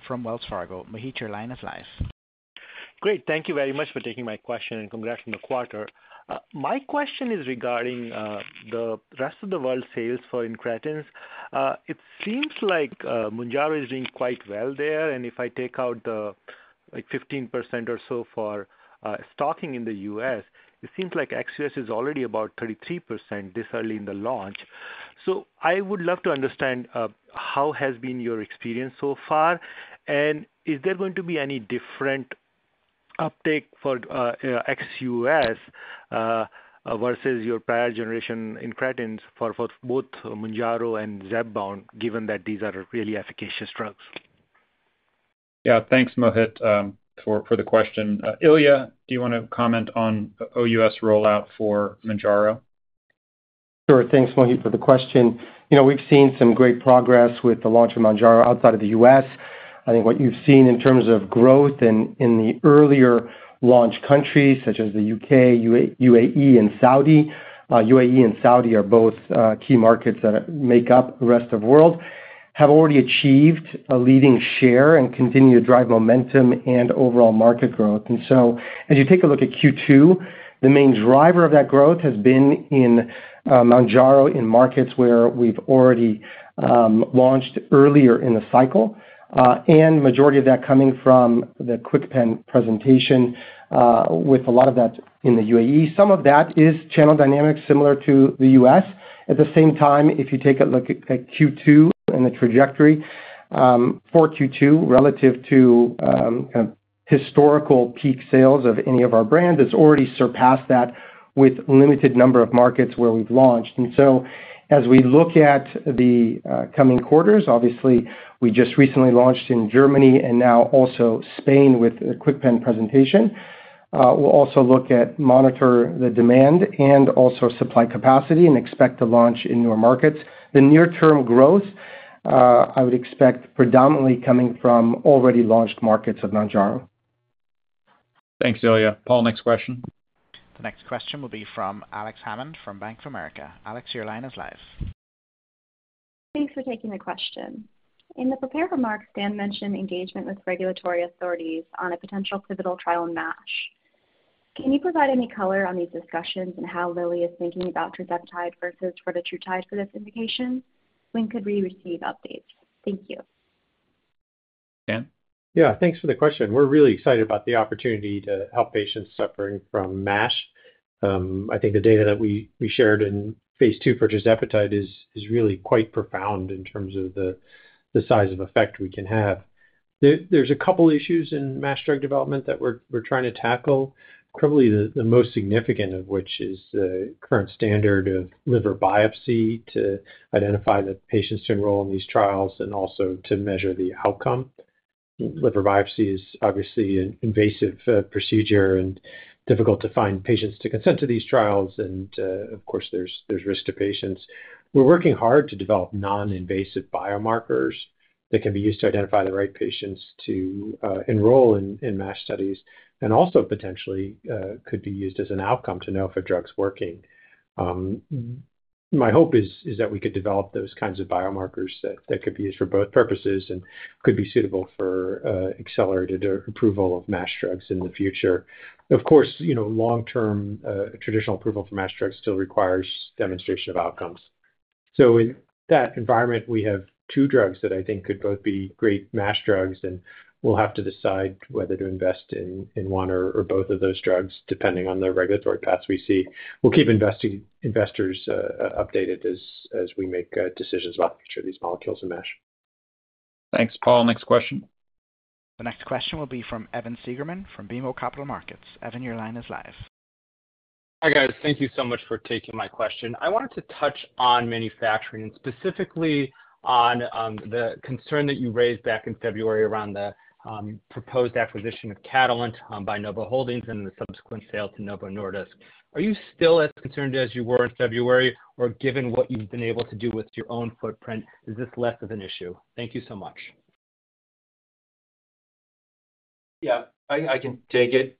S1: from Wells Fargo. Mohit, your line is live.
S11: Great. Thank you very much for taking my question, and congrats on the quarter. My question is regarding the rest of the world sales for incretins. It seems like Mounjaro is doing quite well there, and if I take out the, like, 15% or so for stocking in the US, it seems like XUS is already about 33% this early in the launch. So I would love to understand how has been your experience so far, and is there going to be any different uptake for XUS versus your prior generation incretins for both Mounjaro and Zepbound, given that these are really efficacious drugs?
S2: Yeah. Thanks, Mohit, for the question. Ilya, do you wanna comment on OUS rollout for Mounjaro?
S12: Sure. Thanks, Mohit, for the question. You know, we've seen some great progress with the launch of Mounjaro outside of the US. I think what you've seen in terms of growth in the earlier launch countries, such as the UK, UAE, and Saudi. UAE and Saudi are both key markets that make up the rest of world, have already achieved a leading share and continue to drive momentum and overall market growth. And so as you take a look at Q2, the main driver of that growth has been in Mounjaro, in markets where we've already launched earlier in the cycle, and majority of that coming from the QuickPen presentation, with a lot of that in the UAE. Some of that is channel dynamics similar to the US. At the same time, if you take a look at Q2 and the trajectory for Q2, relative to kind of historical peak sales of any of our brands, it's already surpassed that with limited number of markets where we've launched. So as we look at the coming quarters, obviously, we just recently launched in Germany and now also Spain with a QuickPen presentation. We'll also look to monitor the demand and also supply capacity and expect to launch in new markets. The near-term growth, I would expect predominantly coming from already launched markets of Mounjaro.
S2: Thanks, Ilya. Paul, next question.
S1: The next question will be from Alex Hammond, from Bank of America. Alex, your line is live.
S13: Thanks for taking the question. In the prepared remarks, Dan mentioned engagement with regulatory authorities on a potential pivotal trial MASH. Can you provide any color on these discussions and how Lilly is thinking about tirzepatide versus retatrutide for this indication? When could we receive updates? Thank you.
S2: Dan?
S5: Yeah, thanks for the question. We're really excited about the opportunity to help patients suffering from MASH. I think the data that we shared in phase II for tirzepatide is really quite profound in terms of the size of effect we can have. There's a couple issues in MASH drug development that we're trying to tackle, probably the most significant of which is the current standard of liver biopsy to identify the patients to enroll in these trials, and also to measure the outcome. Liver biopsy is obviously an invasive procedure and difficult to find patients to consent to these trials, and of course, there's risk to patients. We're working hard to develop non-invasive biomarkers that can be used to identify the right patients to enroll in MASH studies, and also potentially could be used as an outcome to know if a drug's working. My hope is that we could develop those kinds of biomarkers that could be used for both purposes and could be suitable for accelerated or approval of MASH drugs in the future. Of course, you know, long-term traditional approval for MASH drugs still requires demonstration of outcomes. So in that environment, we have two drugs that I think could both be great MASH drugs, and we'll have to decide whether to invest in one or both of those drugs, depending on the regulatory paths we see. We'll keep investors updated as we make decisions about the future of these molecules in MASH.
S2: Thanks, Paul. Next question.
S1: The next question will be from Evan Segerman from BMO Capital Markets. Evan, your line is live.
S14: Hi, guys. Thank you so much for taking my question. I wanted to touch on manufacturing, specifically on, the concern that you raised back in February around the, proposed acquisition of Catalent, by Novo Holdings and the subsequent sale to Novo Nordisk. Are you still as concerned as you were in February, or given what you've been able to do with your own footprint, is this less of an issue? Thank you so much....
S3: Yeah, I can take it.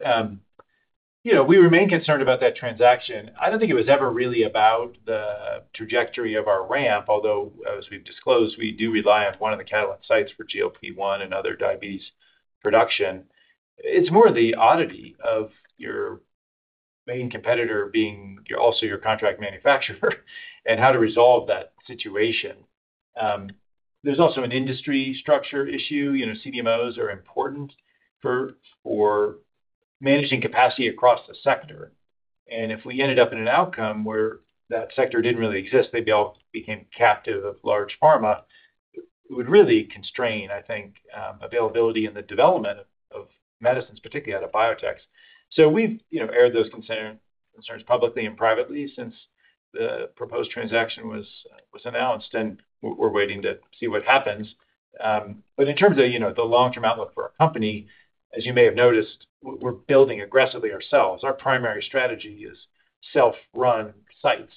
S3: You know, we remain concerned about that transaction. I don't think it was ever really about the trajectory of our ramp, although, as we've disclosed, we do rely on one of the Catalent sites for GLP-1 and other diabetes production. It's more the oddity of your main competitor being your also your contract manufacturer, and how to resolve that situation. There's also an industry structure issue. You know, CDMOs are important for managing capacity across the sector, and if we ended up in an outcome where that sector didn't really exist, they all became captive of large pharma, it would really constrain, I think, availability and the development of medicines, particularly out of biotechs. So we've, you know, aired those concerns publicly and privately since the proposed transaction was announced, and we're waiting to see what happens. But in terms of, you know, the long-term outlook for our company, as you may have noticed, we're building aggressively ourselves. Our primary strategy is self-run sites,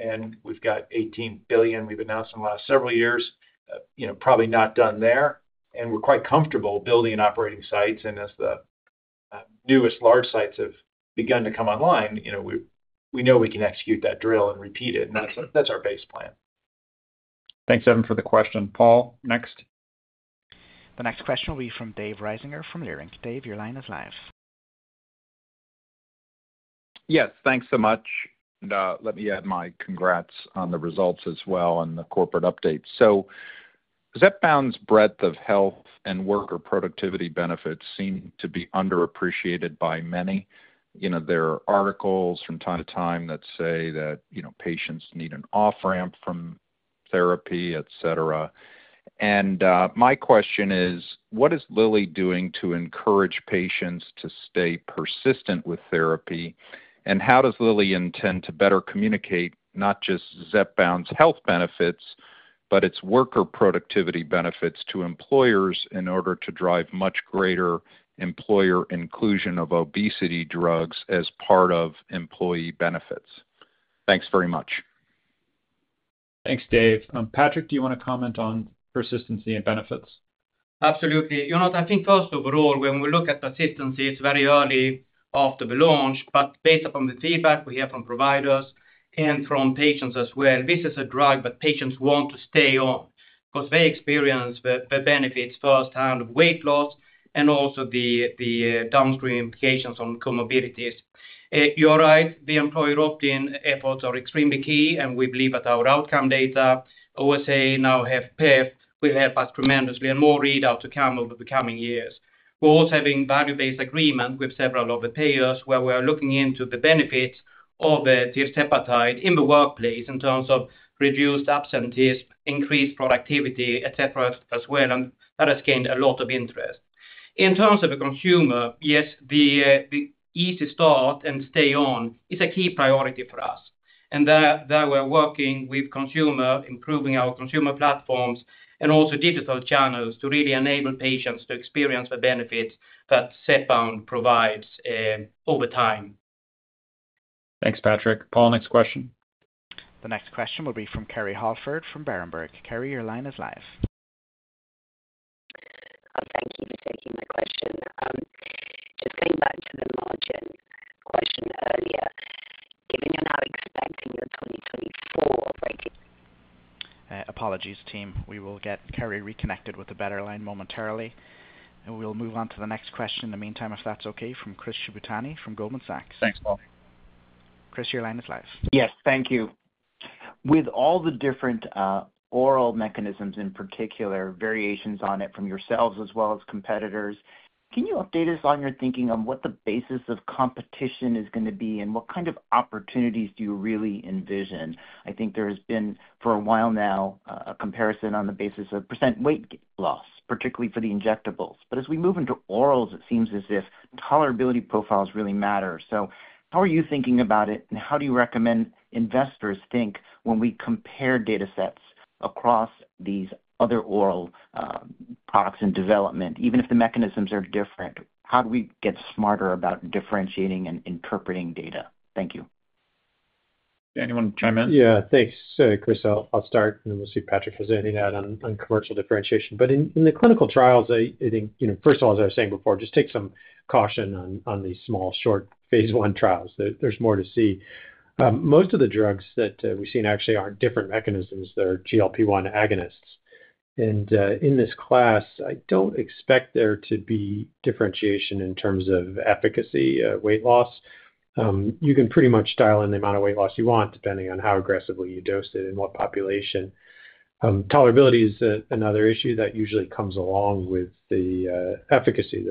S3: and we've got $18 billion we've announced in the last several years, you know, probably not done there. And we're quite comfortable building and operating sites, and as the newest large sites have begun to come online, you know, we know we can execute that drill and repeat it, and that's our base plan.
S2: Thanks, Evan, for the question. Paul, next?
S1: The next question will be from Dave Risinger from Leerink. Dave, your line is live.
S15: Yes, thanks so much, and, let me add my congrats on the results as well and the corporate update. So Zepbound's breadth of health and work or productivity benefits seem to be underappreciated by many. You know, there are articles from time to time that say that, you know, patients need an off-ramp from therapy, et cetera. And, my question is: what is Lilly doing to encourage patients to stay persistent with therapy? And how does Lilly intend to better communicate not just Zepbound's health benefits, but its worker productivity benefits to employers in order to drive much greater employer inclusion of obesity drugs as part of employee benefits? Thanks very much.
S2: Thanks, Dave. Patrik, do you want to comment on persistency and benefits?
S9: Absolutely. You know what? I think first of all, when we look at persistency, it's very early after the launch, but based upon the feedback we hear from providers and from patients as well, this is a drug that patients want to stay on because they experience the benefits firsthand of weight loss and also the downstream implications on comorbidities. You are right, the employer opt-in efforts are extremely key, and we believe that our outcome data, OSA, now HFpEF, will help us tremendously and more readout to come over the coming years. We're also having value-based agreement with several of the payers, where we're looking into the benefits of tirzepatide in the workplace in terms of reduced absenteeism, increased productivity, et cetera, as well, and that has gained a lot of interest. In terms of the consumer, yes, the easy start and stay on is a key priority for us. And there, we're working with consumer, improving our consumer platforms and also digital channels to really enable patients to experience the benefits that Zepbound provides, over time.
S2: Thanks, Patrick. Paul, next question.
S1: The next question will be from Kerry Holford from Berenberg. Kerry, your line is live.
S16: Oh, thank you for taking my question. Just going back to the margin question earlier, given you're now expecting your 2024 operating-
S1: Apologies, team. We will get Kerry reconnected with a better line momentarily, and we'll move on to the next question in the meantime, if that's okay, from Chris Shibutani from Goldman Sachs.
S17: Thanks, Paul.
S1: Chris, your line is live.
S17: Yes, thank you. With all the different, oral mechanisms, in particular, variations on it from yourselves as well as competitors, can you update us on your thinking on what the basis of competition is going to be, and what kind of opportunities do you really envision? I think there has been, for a while now, a comparison on the basis of % weight loss, particularly for the injectables. But as we move into orals, it seems as if tolerability profiles really matter. So how are you thinking about it, and how do you recommend investors think when we compare data sets across these other oral, products in development, even if the mechanisms are different, how do we get smarter about differentiating and interpreting data? Thank you.
S2: Dan, you want to chime in?
S3: Yeah. Thanks, Chris. I'll start, and then we'll see if Patrick has anything to add on commercial differentiation. But in the clinical trials, I think, you know, first of all, as I was saying before, just take some caution on these small, short phase I trials. There's more to see. Most of the drugs that we've seen actually aren't different mechanisms. They're GLP-1 agonists, and in this class, I don't expect there to be differentiation in terms of efficacy, weight loss. You can pretty much dial in the amount of weight loss you want, depending on how aggressively you dose it and what population. Tolerability is another issue that usually comes along with the efficacy.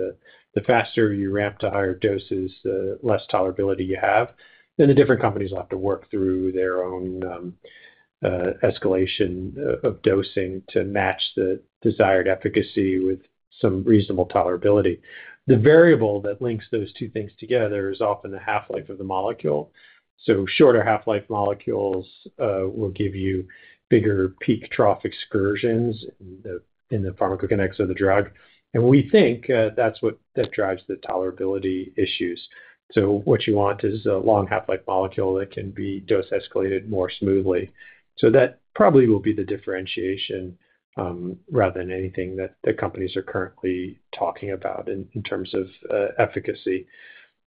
S3: The faster you ramp to higher doses, the less tolerability you have. Then the different companies will have to work through their own escalation of dosing to match the desired efficacy with some reasonable tolerability. The variable that links those two things together is often the half-life of the molecule. So shorter half-life molecules will give you bigger peak trough excursions in the pharmacokinetics of the drug, and we think that's what drives the tolerability issues. So what you want is a long half-life molecule that can be dose escalated more smoothly. So that probably will be the differentiation rather than anything that the companies are currently talking about in terms of efficacy....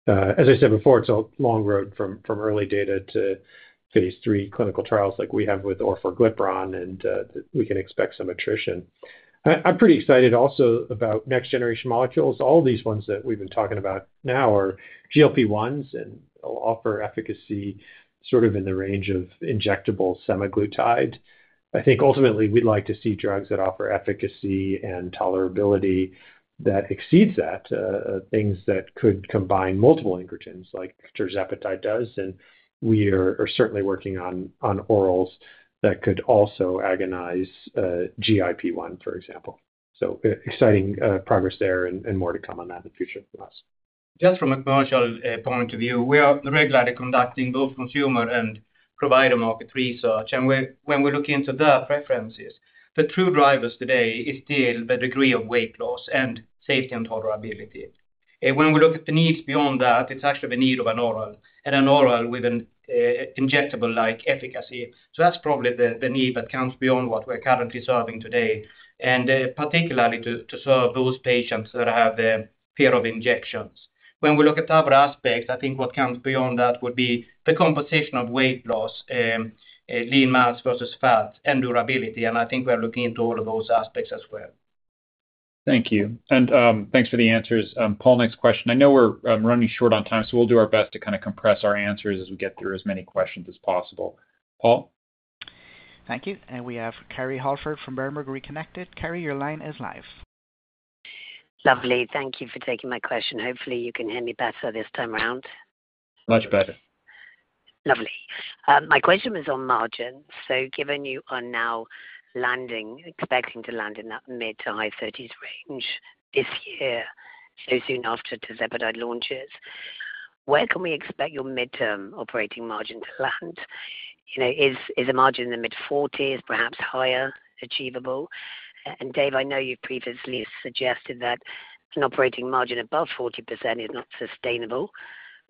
S5: As I said before, it's a long road from early data to phase III clinical trials like we have with orforglipron, and we can expect some attrition. I'm pretty excited also about next generation molecules. All these ones that we've been talking about now are GLP-1s, and they'll offer efficacy sort of in the range of injectable semaglutide. I think ultimately, we'd like to see drugs that offer efficacy and tolerability that exceeds that, things that could combine multiple incretins, like tirzepatide does, and we are certainly working on orals that could also agonize GIP-1, for example. So exciting progress there and more to come on that in the future from us. Just from a commercial point of view, we are regularly conducting both consumer and provider market research. And when we look into their preferences, the true drivers today is still the degree of weight loss and safety and tolerability. And when we look at the needs beyond that, it's actually the need of an oral, and an oral with an injectable-like efficacy. So that's probably the need that comes beyond what we're currently serving today, and particularly to serve those patients that have a fear of injections. When we look at other aspects, I think what comes beyond that would be the composition of weight loss, lean mass versus fat and durability. And I think we're looking into all of those aspects as well. Thank you, and thanks for the answers. Paul, next question.
S2: I know we're running short on time, so we'll do our best to kind of compress our answers as we get through as many questions as possible. Paul?
S1: Thank you. And we have Kerry Holford from Berenberg reconnected. Kerry, your line is live.
S16: Lovely. Thank you for taking my question. Hopefully, you can hear me better this time around.
S5: Much better.
S16: Lovely. My question was on margin. So given you are now landing, expecting to land in that mid- to high-30s range this year, so soon after Tirzepatide launches, where can we expect your midterm operating margin to land? You know, is the margin in the mid-40s, perhaps higher, achievable? And Dave, I know you've previously suggested that an operating margin above 40% is not sustainable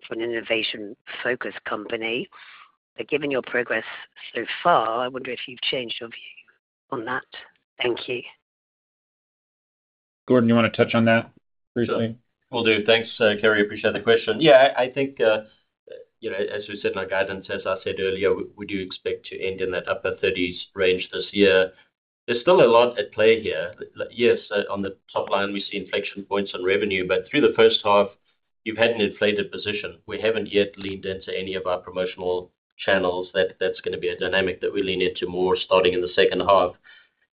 S16: for an innovation-focused company. But given your progress so far, I wonder if you've changed your view on that. Thank you.
S5: Gordon, you want to touch on that briefly?
S4: Will do. Thanks, Kerry, appreciate the question. Yeah, I think, you know, as we said in our guidance, as I said earlier, we do expect to end in that upper thirties range this year. There's still a lot at play here. Yes, on the top line, we see inflection points on revenue, but through the first half, you've had an inflated position. We haven't yet leaned into any of our promotional channels. That, that's gonna be a dynamic that we lean into more, starting in the second half.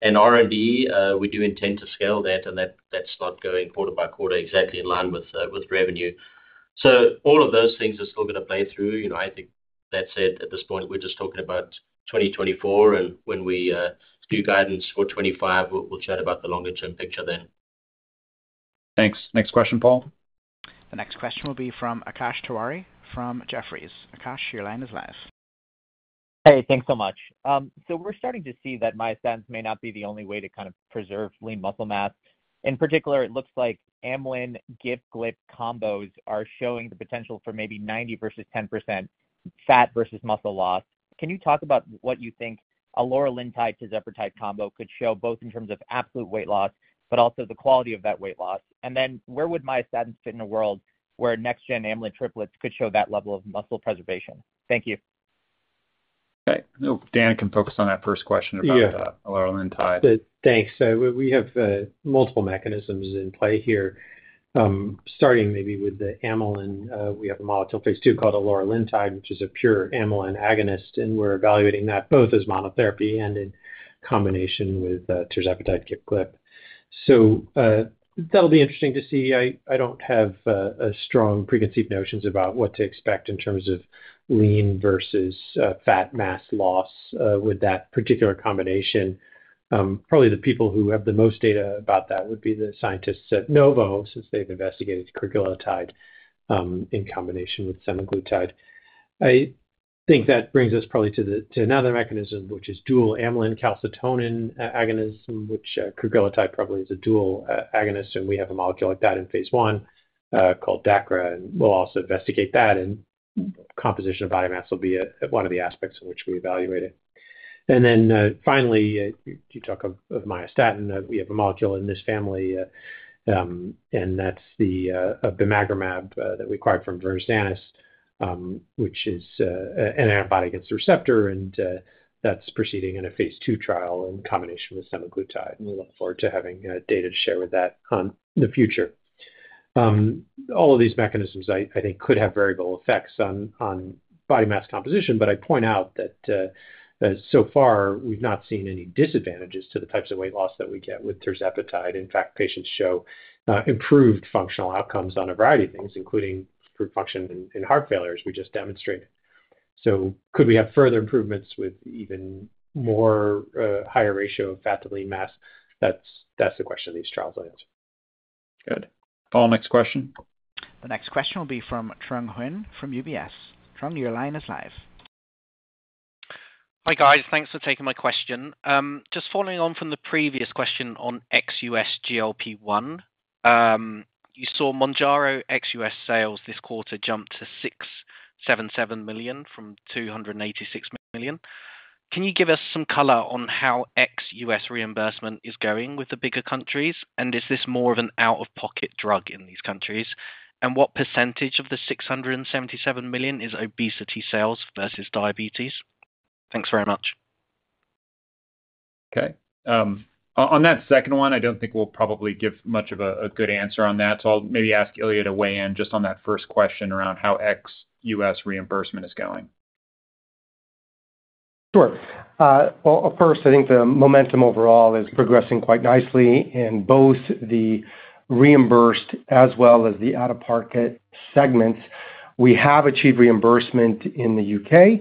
S4: And R&D, we do intend to scale that, and that, that's not going quarter by quarter, exactly in line with, with revenue. So all of those things are still going to play through. You know, I think that said, at this point, we're just talking about 2024, and when we do guidance for 2025, we'll chat about the longer-term picture then.
S5: Thanks. Next question, Paul.
S1: The next question will be from Akash Tewari from Jefferies. Akash, your line is live.
S18: Hey, thanks so much. So we're starting to see that myostatin may not be the only way to kind of preserve lean muscle mass. In particular, it looks like amylin GIP GLP combos are showing the potential for maybe 90% versus 10% fat versus muscle loss. Can you talk about what you think an Oloralintide tirzepatide combo could show, both in terms of absolute weight loss, but also the quality of that weight loss? And then where would myostatin fit in a world where next gen amylin triplets could show that level of muscle preservation? Thank you.
S4: Okay. Dan can focus on that first question about Oloralintide. Yeah. Thanks. So we have multiple mechanisms in play here. Starting maybe with the amylin, we have a molecule phase II called Oloralintide, which is a pure amylin agonist, and we're evaluating that both as monotherapy and in combination with tirzepatide, GIP, GLP. So that'll be interesting to see. I don't have a strong preconceived notions about what to expect in terms of lean versus fat mass loss with that particular combination. Probably the people who have the most data about that would be the scientists at Novo, since they've investigated cagrilintide in combination with semaglutide.
S5: I think that brings us probably to another mechanism, which is dual amylin calcitonin agonism, which, cagrilintide probably is a dual agonist, and we have a molecule like that in phase I, called DACRA. And we'll also investigate that, and composition of body mass will be a one of the aspects in which we evaluate it. And then, finally, you talk of myostatin. We have a molecule in this family, and that's the bimagrumab that we acquired from Versanis, which is an antibody against the receptor, and that's proceeding in a phase II trial in combination with semaglutide. And we look forward to having data to share with that in the future. All of these mechanisms, I think, could have variable effects on body mass composition, but I point out that so far, we've not seen any disadvantages to the types of weight loss that we get with Tirzepatide. In fact, patients show improved functional outcomes on a variety of things, including lung function and heart failure, we just demonstrated. So could we have further improvements with even more higher ratio of fat to lean mass? That's the question these trials will answer.
S2: Good. Paul, next question.
S1: The next question will be from Trung Huynh, from UBS. Trung, your line is live.
S19: Hi, guys. Thanks for taking my question. Just following on from the previous question on ex-US GLP-1, you saw Mounjaro ex-US sales this quarter jump to six-... $77 million from $286 million. Can you give us some color on how ex-US reimbursement is going with the bigger countries? And is this more of an out-of-pocket drug in these countries? And what percentage of the $677 million is obesity sales versus diabetes? Thanks very much.
S3: Okay. On that second one, I don't think we'll probably give much of a good answer on that, so I'll maybe ask Ilya to weigh in just on that first question around how ex-US reimbursement is going.
S12: Sure. Well, first, I think the momentum overall is progressing quite nicely in both the reimbursed as well as the out-of-pocket segments. We have achieved reimbursement in the UK.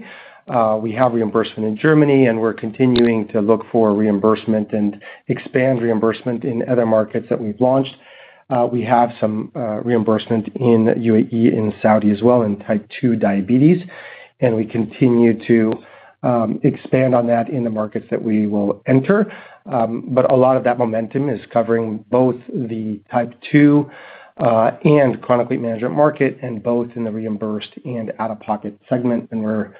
S12: We have reimbursement in Germany, and we're continuing to look for reimbursement and expand reimbursement in other markets that we've launched. We have some reimbursement in UAE and Saudi as well in Type 2 diabetes, and we continue to expand on that in the markets that we will enter. But a lot of that momentum is covering both the Type 2 and chronic weight management market, and both in the reimbursed and out-of-pocket segment. And we're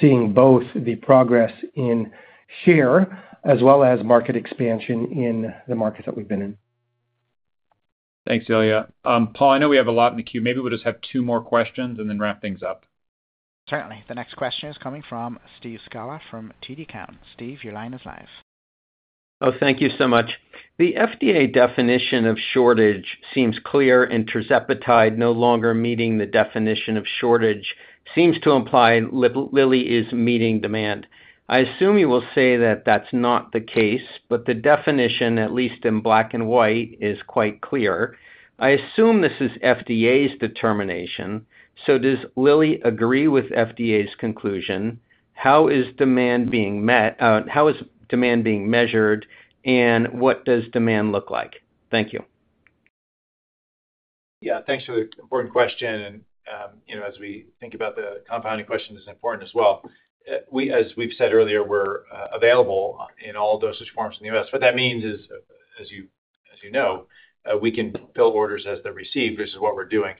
S12: seeing both the progress in share as well as market expansion in the markets that we've been in.
S3: Thanks, Ilya. Paul, I know we have a lot in the queue. Maybe we'll just have two more questions and then wrap things up.
S1: Certainly. The next question is coming from Steve Scala from TD Cowen. Steve, your line is live.
S20: Oh, thank you so much. The FDA definition of shortage seems clear, and tirzepatide no longer meeting the definition of shortage seems to imply Lilly is meeting demand. I assume you will say that that's not the case, but the definition, at least in black and white, is quite clear. I assume this is FDA's determination. So does Lilly agree with FDA's conclusion? How is demand being met? How is demand being measured? And what does demand look like? Thank you.
S3: Yeah, thanks for the important question, and, you know, as we think about the compounding question, is important as well. We... As we've said earlier, we're available in all dosage forms in the U.S. What that means is, as you, as you know, we can fill orders as they're received, which is what we're doing.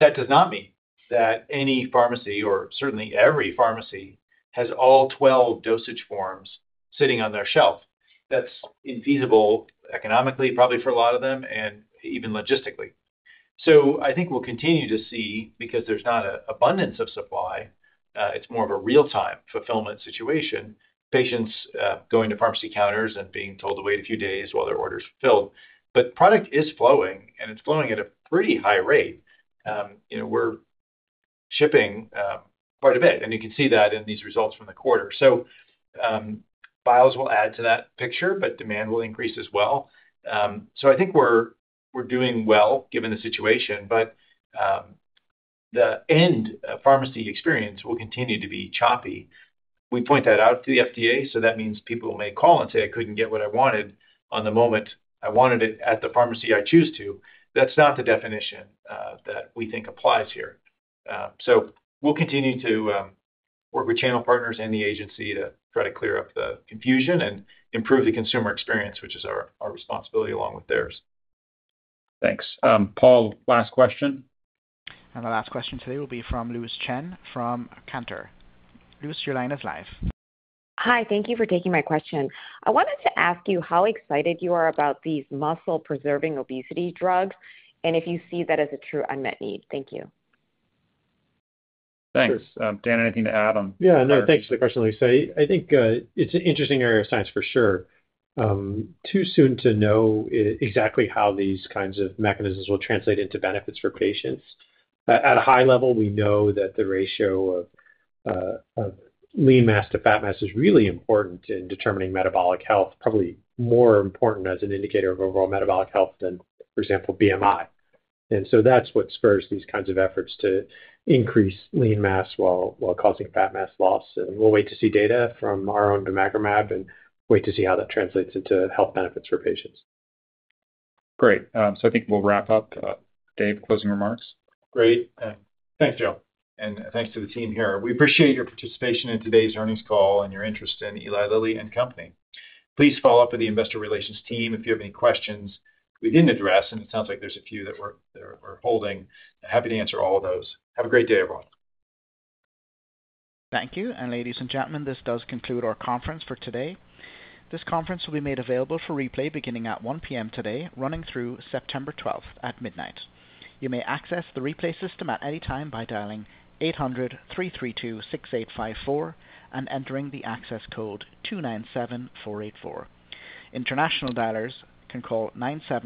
S3: That does not mean that any pharmacy, or certainly every pharmacy, has all 12 dosage forms sitting on their shelf. That's infeasible economically, probably for a lot of them, and even logistically. So I think we'll continue to see, because there's not an abundance of supply, it's more of a real-time fulfillment situation, patients going to pharmacy counters and being told to wait a few days while their order is fulfilled. But product is flowing, and it's flowing at a pretty high rate. You know, we're shipping quite a bit, and you can see that in these results from the quarter. So, bios will add to that picture, but demand will increase as well. So I think we're doing well, given the situation, but the end pharmacy experience will continue to be choppy. We point that out to the FDA, so that means people may call and say, "I couldn't get what I wanted on the moment I wanted it at the pharmacy I choose to." That's not the definition that we think applies here. So we'll continue to work with channel partners and the agency to try to clear up the confusion and improve the consumer experience, which is our responsibility, along with theirs.
S2: Thanks. Paul, last question?
S1: The last question today will be from Louise Chen from Cantor. Louise, your line is live.
S21: Hi, thank you for taking my question. I wanted to ask you how excited you are about these muscle-preserving obesity drugs and if you see that as a true unmet need? Thank you.
S3: Thanks. Dan, anything to add on?
S5: Yeah, no, thanks for the question, Lisa. I think it's an interesting area of science, for sure. Too soon to know exactly how these kinds of mechanisms will translate into benefits for patients. At a high level, we know that the ratio of of lean mass to fat mass is really important in determining metabolic health, probably more important as an indicator of overall metabolic health than, for example, BMI. And so that's what spurs these kinds of efforts to increase lean mass while causing fat mass loss. And we'll wait to see data from our own bimagrumab and wait to see how that translates into health benefits for patients.
S2: Great. So I think we'll wrap up. Dave, closing remarks?
S3: Great. Thanks, Joe, and thanks to the team here. We appreciate your participation in today's earnings call and your interest in Eli Lilly and Company. Please follow up with the investor relations team if you have any questions we didn't address, and it sounds like there's a few that we're holding. Happy to answer all those. Have a great day, everyone.
S1: Thank you. Ladies and gentlemen, this does conclude our conference for today. This conference will be made available for replay beginning at 1:00 P.M. today, running through September 12th at midnight. You may access the replay system at any time by dialing 800-332-6854 and entering the access code 297484. International dialers can call 979-...